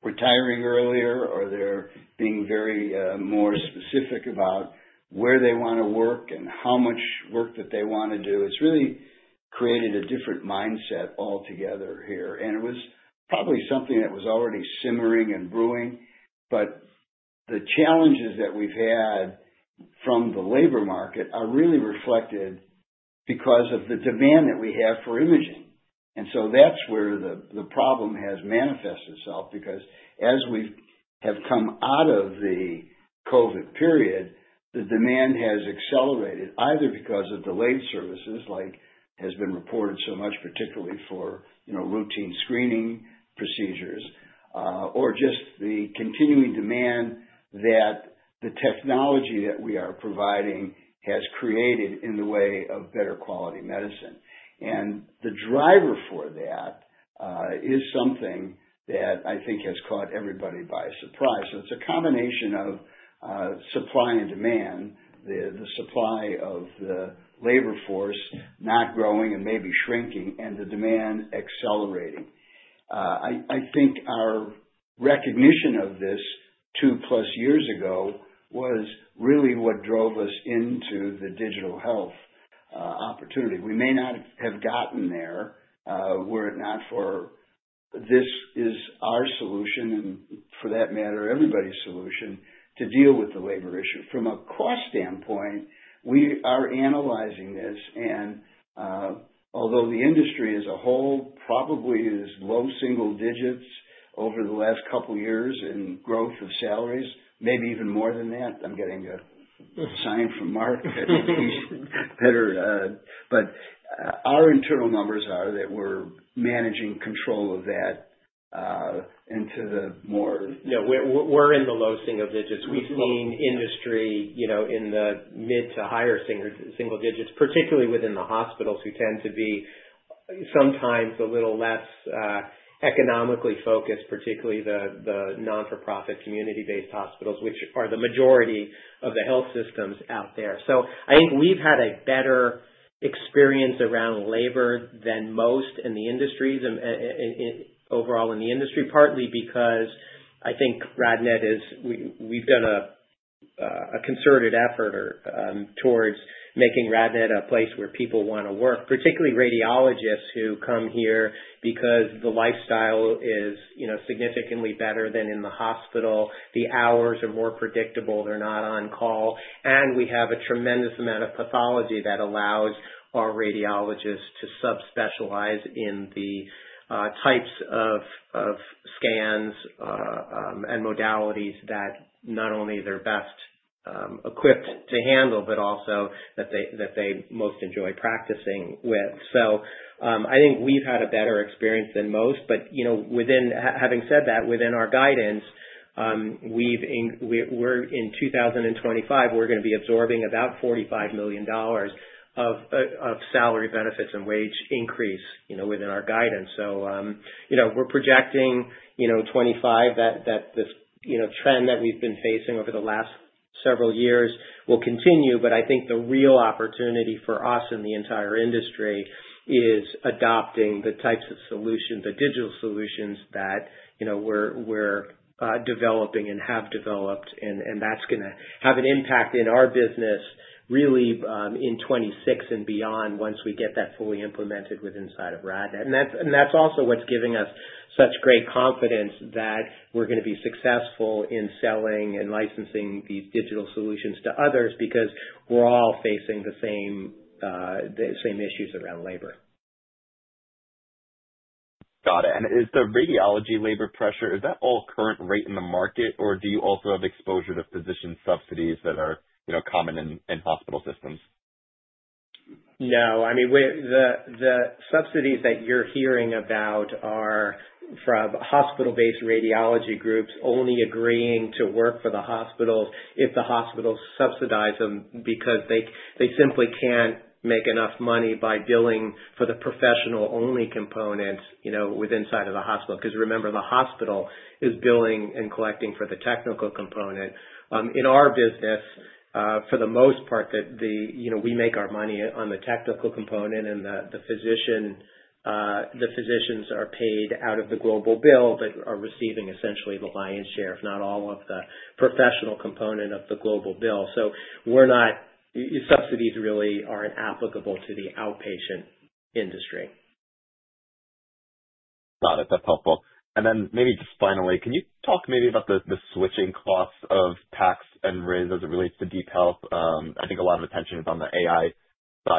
retiring earlier, or they're being very more specific about where they want to work and how much work that they want to do. It's really created a different mindset altogether here. And it was probably something that was already simmering and brewing. But the challenges that we've had from the labor market are really reflected because of the demand that we have for imaging. And so that's where the problem has manifested itself because as we have come out of the COVID period, the demand has accelerated either because of delayed services, like has been reported so much, particularly for routine screening procedures, or just the continuing demand that the technology that we are providing has created in the way of better quality medicine. And the driver for that is something that I think has caught everybody by surprise. So it's a combination of supply and demand, the supply of the labor force not growing and maybe shrinking, and the demand accelerating. I think our recognition of this two-plus years ago was really what drove us into the Digital Health opportunity. We may not have gotten there were it not for this is our solution, and for that matter, everybody's solution to deal with the labor issue. From a cost standpoint, we are analyzing this. And although the industry as a whole probably is low single digits over the last couple of years in growth of salaries, maybe even more than that. I'm getting a sign from Mark that he's better. But our internal numbers are that we're managing control of that into the more. Yeah. We're in the low single digits. We've seen industry in the mid to higher single digits, particularly within the hospitals who tend to be sometimes a little less economically focused, particularly the not-for-profit community-based hospitals, which are the majority of the health systems out there. So I think we've had a better experience around labor than most in the industries overall in the industry, partly because I think RadNet is—we've done a concerted effort towards making RadNet a place where people want to work, particularly radiologists who come here because the lifestyle is significantly better than in the hospital. The hours are more predictable. They're not on call. And we have a tremendous amount of pathology that allows our radiologists to subspecialize in the types of scans and modalities that not only they're best equipped to handle, but also that they most enjoy practicing with. So I think we've had a better experience than most. But having said that, within our guidance, we're in 2025, we're going to be absorbing about $45 million of salary benefits and wage increase within our guidance. So we're projecting 2025 that this trend that we've been facing over the last several years will continue. But I think the real opportunity for us in the entire industry is adopting the types of solutions, the digital solutions that we're developing and have developed. And that's going to have an impact in our business really in 2026 and beyond once we get that fully implemented with inside of RadNet. And that's also what's giving us such great confidence that we're going to be successful in selling and licensing these digital solutions to others because we're all facing the same issues around labor. Got it. And is the radiology labor pressure, is that all current rate in the market, or do you also have exposure to physician subsidies that are common in hospital systems? No. I mean, the subsidies that you're hearing about are from hospital-based radiology groups only agreeing to work for the hospitals if the hospitals subsidize them because they simply can't make enough money by billing for the professional-only components within the hospital. Because remember, the hospital is billing and collecting for the technical component. In our business, for the most part, we make our money on the technical component. And the physicians are paid out of the global bill but are receiving essentially the lion's share, if not all, of the professional component of the global bill. So subsidies really aren't applicable to the outpatient industry. Got it. That's helpful. And then maybe just finally, can you talk maybe about the switching costs of PACS and RIS as it relates to DeepHealth? I think a lot of attention is on the AI side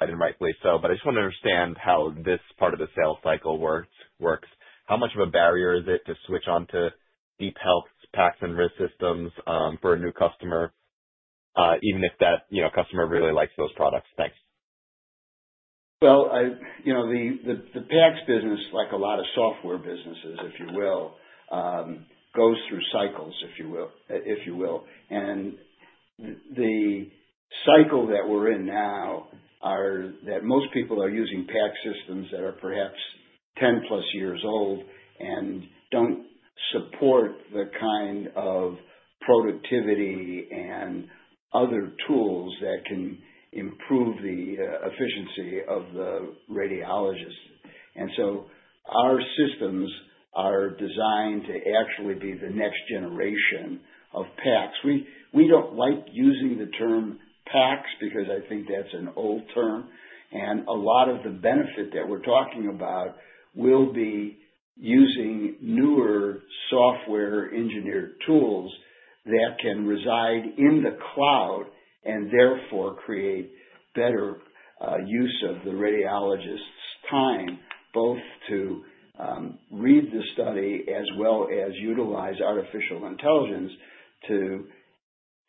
and rightly so. But I just want to understand how this part of the sales cycle works. How much of a barrier is it to switch onto DeepHealth's PACS and RIS systems for a new customer, even if that customer really likes those products? Thanks. The PACS business, like a lot of software businesses, if you will, goes through cycles, if you will. And the cycle that we're in now is that most people are using PACS systems that are perhaps 10-plus years old and don't support the kind of productivity and other tools that can improve the efficiency of the radiologist. And so our systems are designed to actually be the next generation of PACS. We don't like using the term PACS because I think that's an old term. And a lot of the benefit that we're talking about will be using newer software-engineered tools that can reside in the cloud and therefore create better use of the radiologist's time, both to read the study as well as utilize artificial intelligence to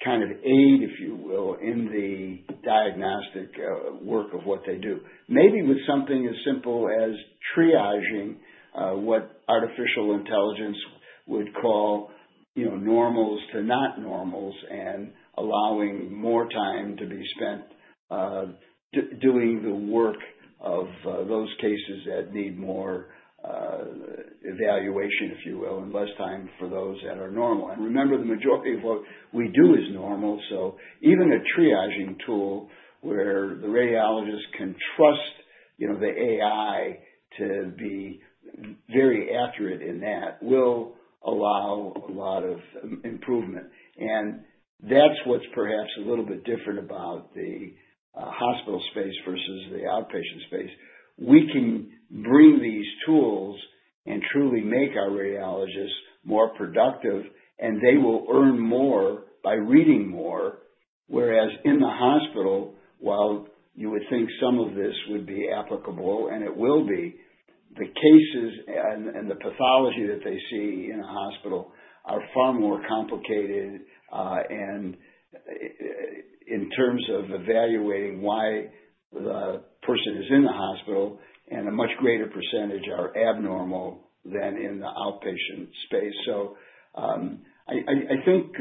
kind of aid, if you will, in the diagnostic work of what they do. Maybe with something as simple as triaging what artificial intelligence would call normals to not normals and allowing more time to be spent doing the work of those cases that need more evaluation, if you will, and less time for those that are normal. And remember, the majority of what we do is normal. So even a triaging tool where the radiologist can trust the AI to be very accurate in that will allow a lot of improvement. And that's what's perhaps a little bit different about the hospital space versus the outpatient space. We can bring these tools and truly make our radiologists more productive, and they will earn more by reading more. Whereas in the hospital, while you would think some of this would be applicable, and it will be, the cases and the pathology that they see in a hospital are far more complicated in terms of evaluating why the person is in the hospital, and a much greater percentage are abnormal than in the outpatient space. So I think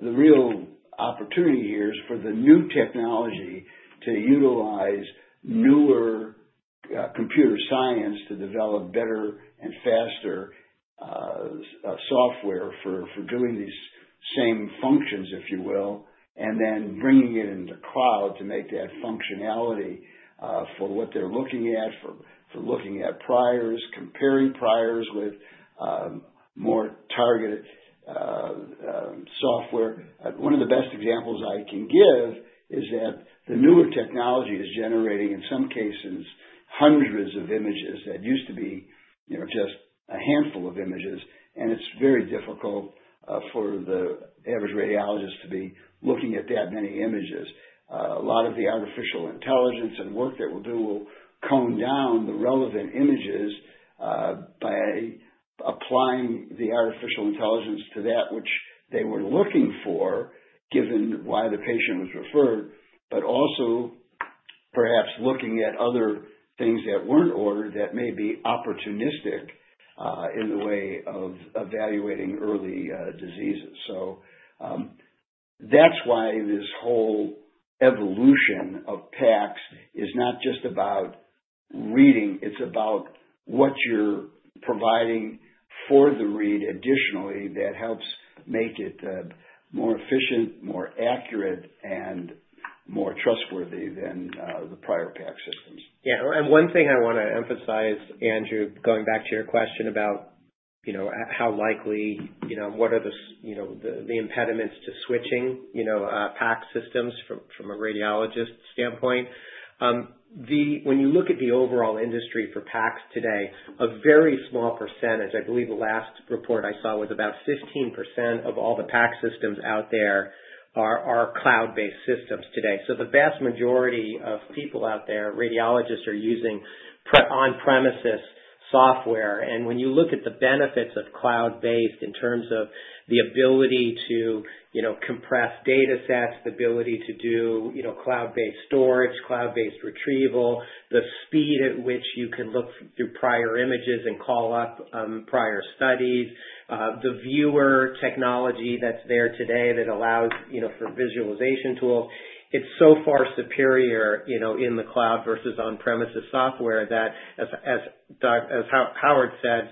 the real opportunity here is for the new technology to utilize newer computer science to develop better and faster software for doing these same functions, if you will, and then bringing it into the cloud to make that functionality for what they're looking at, for looking at priors, comparing priors with more targeted software. One of the best examples I can give is that the newer technology is generating, in some cases, hundreds of images that used to be just a handful of images. It's very difficult for the average radiologist to be looking at that many images. A lot of the artificial intelligence and work that we'll do will narrow down the relevant images by applying the artificial intelligence to that, which they were looking for given why the patient was referred, but also perhaps looking at other things that weren't ordered that may be opportunistic in the way of evaluating early diseases. That's why this whole evolution of PACS is not just about reading. It's about what you're providing for the read additionally that helps make it more efficient, more accurate, and more trustworthy than the prior PACS. Yeah. And one thing I want to emphasize, Andrew, going back to your question about how likely what are the impediments to switching PACS from a radiologist standpoint? When you look at the overall industry for PACS today, a very small percentage, I believe the last report I saw was about 15% of all the PACS out there are cloud-based systems today. So the vast majority of people out there, radiologists, are using on-premises software. When you look at the benefits of cloud-based in terms of the ability to compress data sets, the ability to do cloud-based storage, cloud-based retrieval, the speed at which you can look through prior images and call up prior studies, the viewer technology that's there today that allows for visualization tools, it's so far superior in the cloud versus on-premises software that, as Howard said,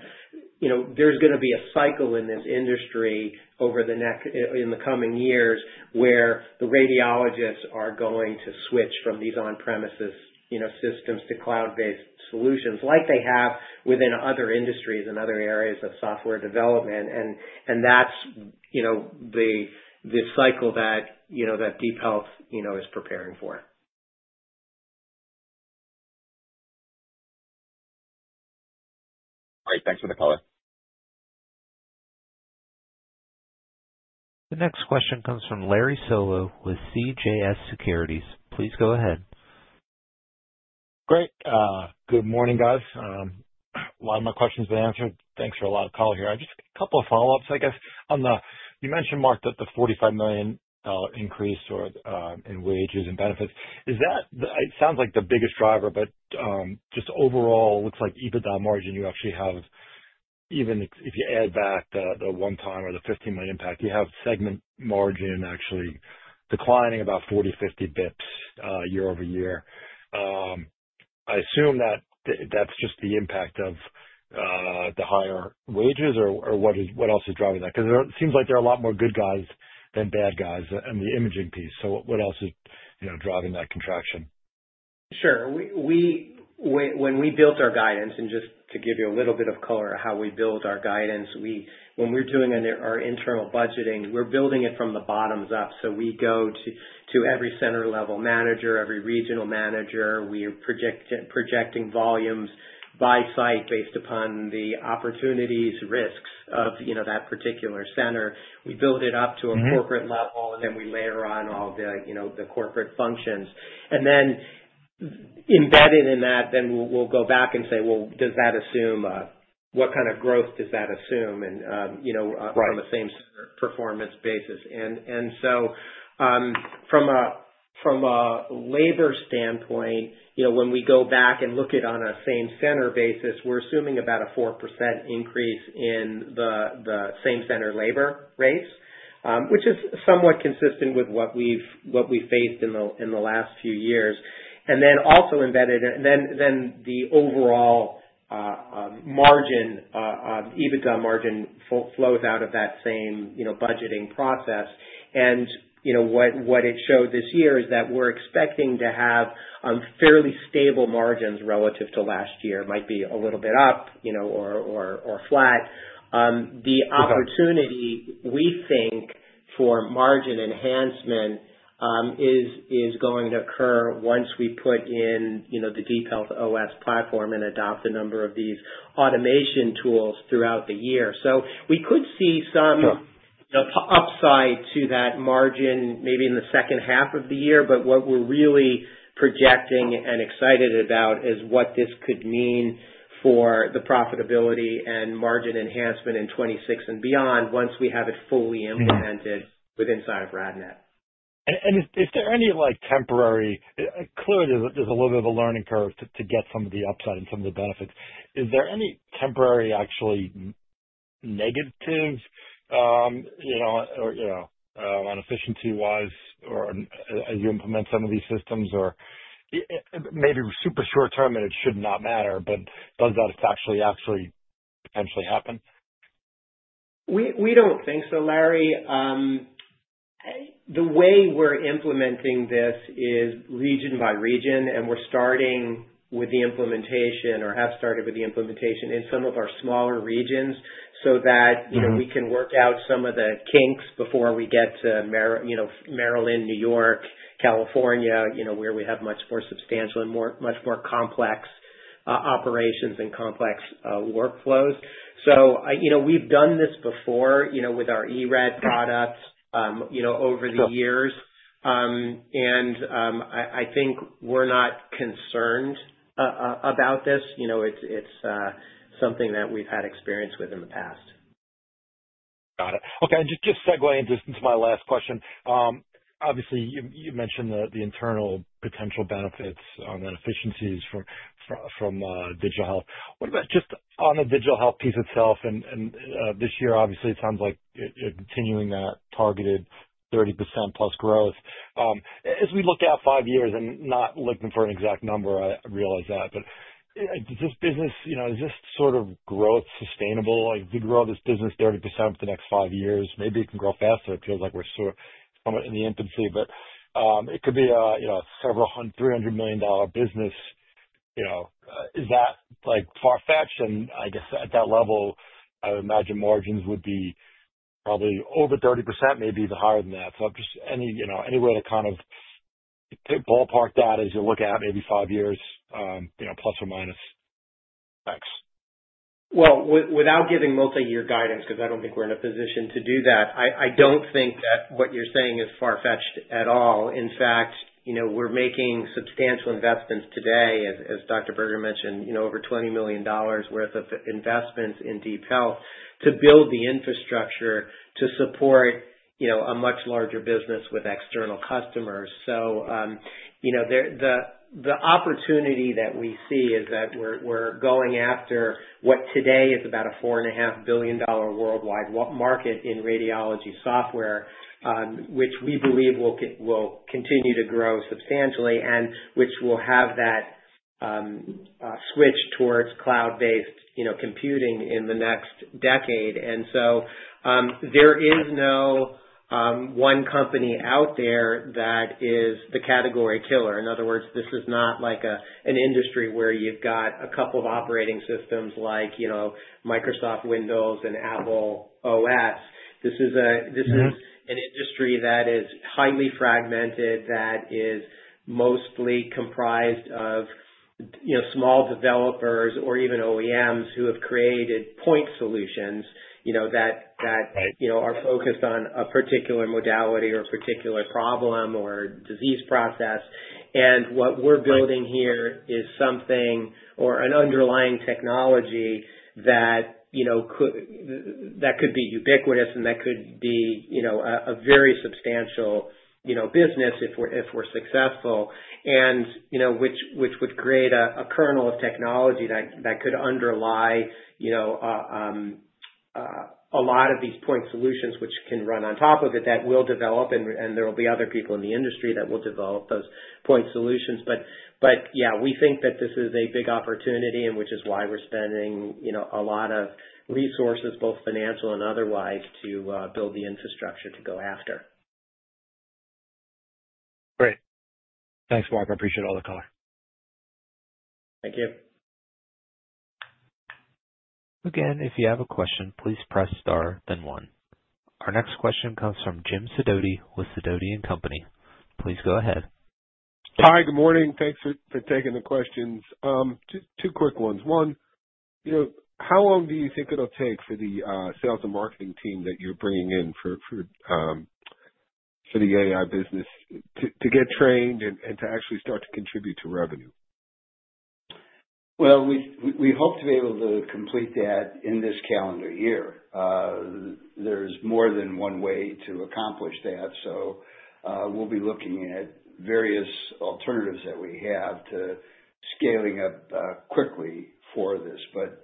there's going to be a cycle in this industry over the next in the coming years where the radiologists are going to switch from these on-premises systems to cloud-based solutions like they have within other industries and other areas of software development. That's the cycle that DeepHealth is preparing for. All right. Thanks for the color. The next question comes from Larry Solow with CJS Securities. Please go ahead. Great. Good morning, guys. A lot of my questions have been answered. Thanks a lot for the call here. Just a couple of follow-ups, I guess. You mentioned, Mark, that the $45 million increase in wages and benefits, it sounds like the biggest driver. But just overall, it looks like EBITDA margin, you actually have even if you add back the one-time or the $15 million impact, you have segment margin actually declining about 40-50 basis points year over year. I assume that that's just the impact of the higher wages or what else is driving that? Because it seems like there are a lot more good guys than bad guys in the imaging piece. So what else is driving that contraction? Sure. When we built our guidance, and just to give you a little bit of color of how we build our guidance, when we're doing our internal budgeting, we're building it from the bottom-up. So we go to every center-level manager, every regional manager. We are projecting volumes by site based upon the opportunities, risks of that particular center. We build it up to a corporate level, and then we layer on all the corporate functions. And then embedded in that, then we'll go back and say, "Well, does that assume what kind of growth does that assume from a same-center performance basis?" And so from a labor standpoint, when we go back and look at it on a same-center basis, we're assuming about a 4% increase in the same-center labor rates, which is somewhat consistent with what we've faced in the last few years. And then also embedded in the overall margin, EBITDA margin flows out of that same budgeting process. And what it showed this year is that we're expecting to have fairly stable margins relative to last year. It might be a little bit up or flat. The opportunity, we think, for margin enhancement is going to occur once we put in the DeepHealth OS platform and adopt a number of these automation tools throughout the year. So we could see some upside to that margin maybe in the second half of the year. But what we're really projecting and excited about is what this could mean for the profitability and margin enhancement in 2026 and beyond once we have it fully implemented within inside of RadNet. And is there any temporary? Clearly, there's a little bit of a learning curve to get some of the upside and some of the benefits. Is there any temporary actually negative or on efficiency-wise as you implement some of these systems or maybe super short-term and it should not matter, but does that actually potentially happen? We don't think so, Larry. The way we're implementing this is region by region, and we're starting with the implementation or have started with the implementation in some of our smaller regions so that we can work out some of the kinks before we get to Maryland, New York, California, where we have much more substantial and much more complex operations and complex workflows, so we've done this before with our eRAD products over the years, and I think we're not concerned about this. It's something that we've had experience with in the past. Got it. Okay. And just segueing into my last question, obviously, you mentioned the internal potential benefits on the efficiencies from Digital Health. What about just on the Digital Health piece itself? And this year, obviously, it sounds like continuing that targeted 30%-plus growth. As we look at five years and not looking for an exact number, I realize that. But is this business, is this sort of growth sustainable? If we grow this business 30% over the next five years, maybe it can grow faster. It feels like we're somewhat in the infancy. But it could be a several $300 million business. Is that far-fetched? And I guess at that level, I would imagine margins would be probably over 30%, maybe even higher than that. So just any way to kind of ballpark that as you look at maybe five years plus or minus X? Without giving multi-year guidance, because I don't think we're in a position to do that, I don't think that what you're saying is far-fetched at all. In fact, we're making substantial investments today, as Dr. Berger mentioned, over $20 million worth of investments in DeepHealth to build the infrastructure to support a much larger business with external customers. The opportunity that we see is that we're going after what today is about a $4.5 billion worldwide market in radiology software, which we believe will continue to grow substantially and which will have that switch towards cloud-based computing in the next decade. There is no one company out there that is the category killer. In other words, this is not like an industry where you've got a couple of operating systems like Microsoft Windows and Apple OS. This is an industry that is highly fragmented, that is mostly comprised of small developers or even OEMs who have created point solutions that are focused on a particular modality or a particular problem or disease process. And what we're building here is something or an underlying technology that could be ubiquitous and that could be a very substantial business if we're successful, which would create a kernel of technology that could underlie a lot of these point solutions, which can run on top of it that will develop. And there will be other people in the industry that will develop those point solutions. But yeah, we think that this is a big opportunity, which is why we're spending a lot of resources, both financial and otherwise, to build the infrastructure to go after. Great. Thanks, Mark. I appreciate all the color. Thank you. Again, if you have a question, please press star, then one. Our next question comes from Jim Sidoti with Sidoti & Company. Please go ahead. Hi. Good morning. Thanks for taking the questions. Two quick ones. One, how long do you think it'll take for the sales and marketing team that you're bringing in for the AI business to get trained and to actually start to contribute to revenue? Well, we hope to be able to complete that in this calendar year. There's more than one way to accomplish that. So we'll be looking at various alternatives that we have to scaling up quickly for this. But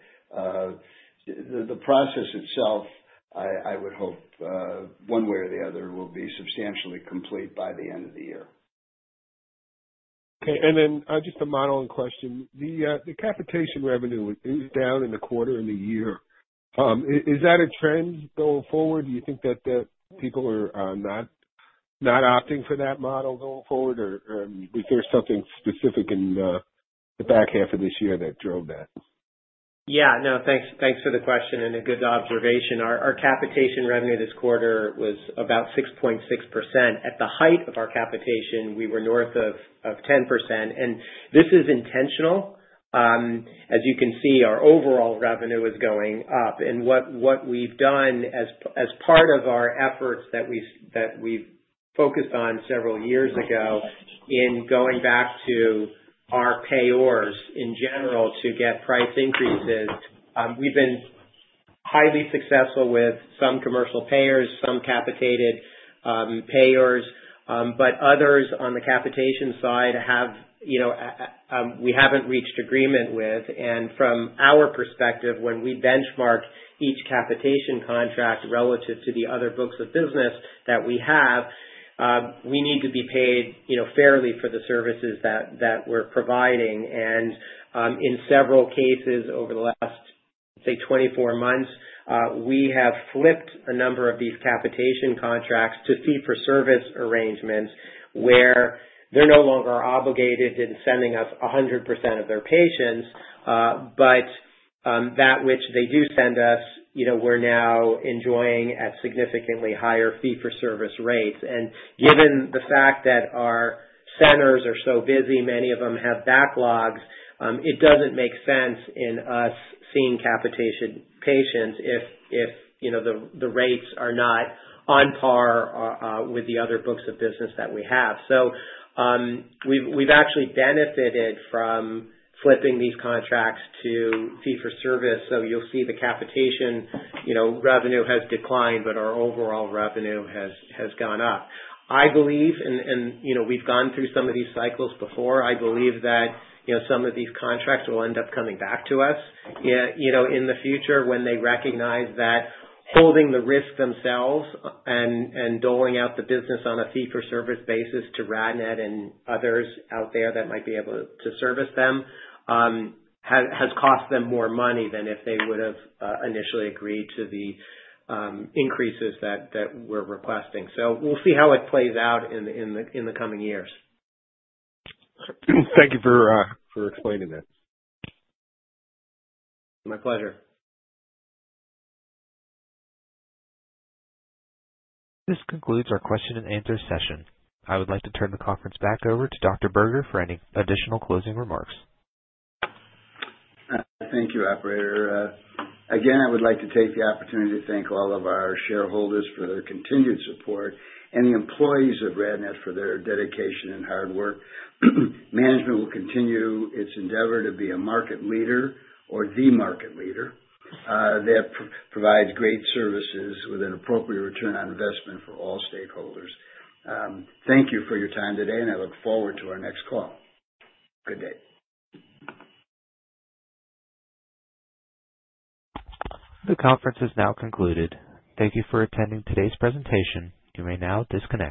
the process itself, I would hope one way or the other, will be substantially complete by the end of the year. Okay. And then just a modeling question. The capitation revenue is down in the quarter and the year. Is that a trend going forward? Do you think that people are not opting for that model going forward? Or was there something specific in the back half of this year that drove that? Yeah. No, thanks for the question and a good observation. Our capitation revenue this quarter was about 6.6%. At the height of our capitation, we were north of 10%. And this is intentional. As you can see, our overall revenue is going up. And what we've done as part of our efforts that we focused on several years ago in going back to our payors in general to get price increases, we've been highly successful with some commercial payers, some capitated payors. But others on the capitation side, we haven't reached agreement with. And from our perspective, when we benchmark each capitation contract relative to the other books of business that we have, we need to be paid fairly for the services that we're providing. And in several cases over the last, say, 24 months, we have flipped a number of these capitation contracts to fee-for-service arrangements where they're no longer obligated to send us 100% of their patients. But that which they do send us, we're now enjoying at significantly higher fee-for-service rates. And given the fact that our centers are so busy, many of them have backlogs, it doesn't make sense for us seeing capitation patients if the rates are not on par with the other books of business that we have. So we've actually benefited from flipping these contracts to fee-for-service. So you'll see the capitation revenue has declined, but our overall revenue has gone up. I believe, and we've gone through some of these cycles before, I believe that some of these contracts will end up coming back to us in the future when they recognize that holding the risk themselves and doling out the business on a fee-for-service basis to RadNet and others out there that might be able to service them has cost them more money than if they would have initially agreed to the increases that we're requesting. So we'll see how it plays out in the coming years. Thank you for explaining that. My pleasure. This concludes our question-and-answer session. I would like to turn the conference back over to Dr. Berger for any additional closing remarks. Thank you, Operator. Again, I would like to take the opportunity to thank all of our shareholders for their continued support and the employees of RadNet for their dedication and hard work. Management will continue its endeavor to be a market leader or the market leader that provides great services with an appropriate return on investment for all stakeholders. Thank you for your time today, and I look forward to our next call. Good day. The conference is now concluded. Thank you for attending today's presentation. You may now disconnect.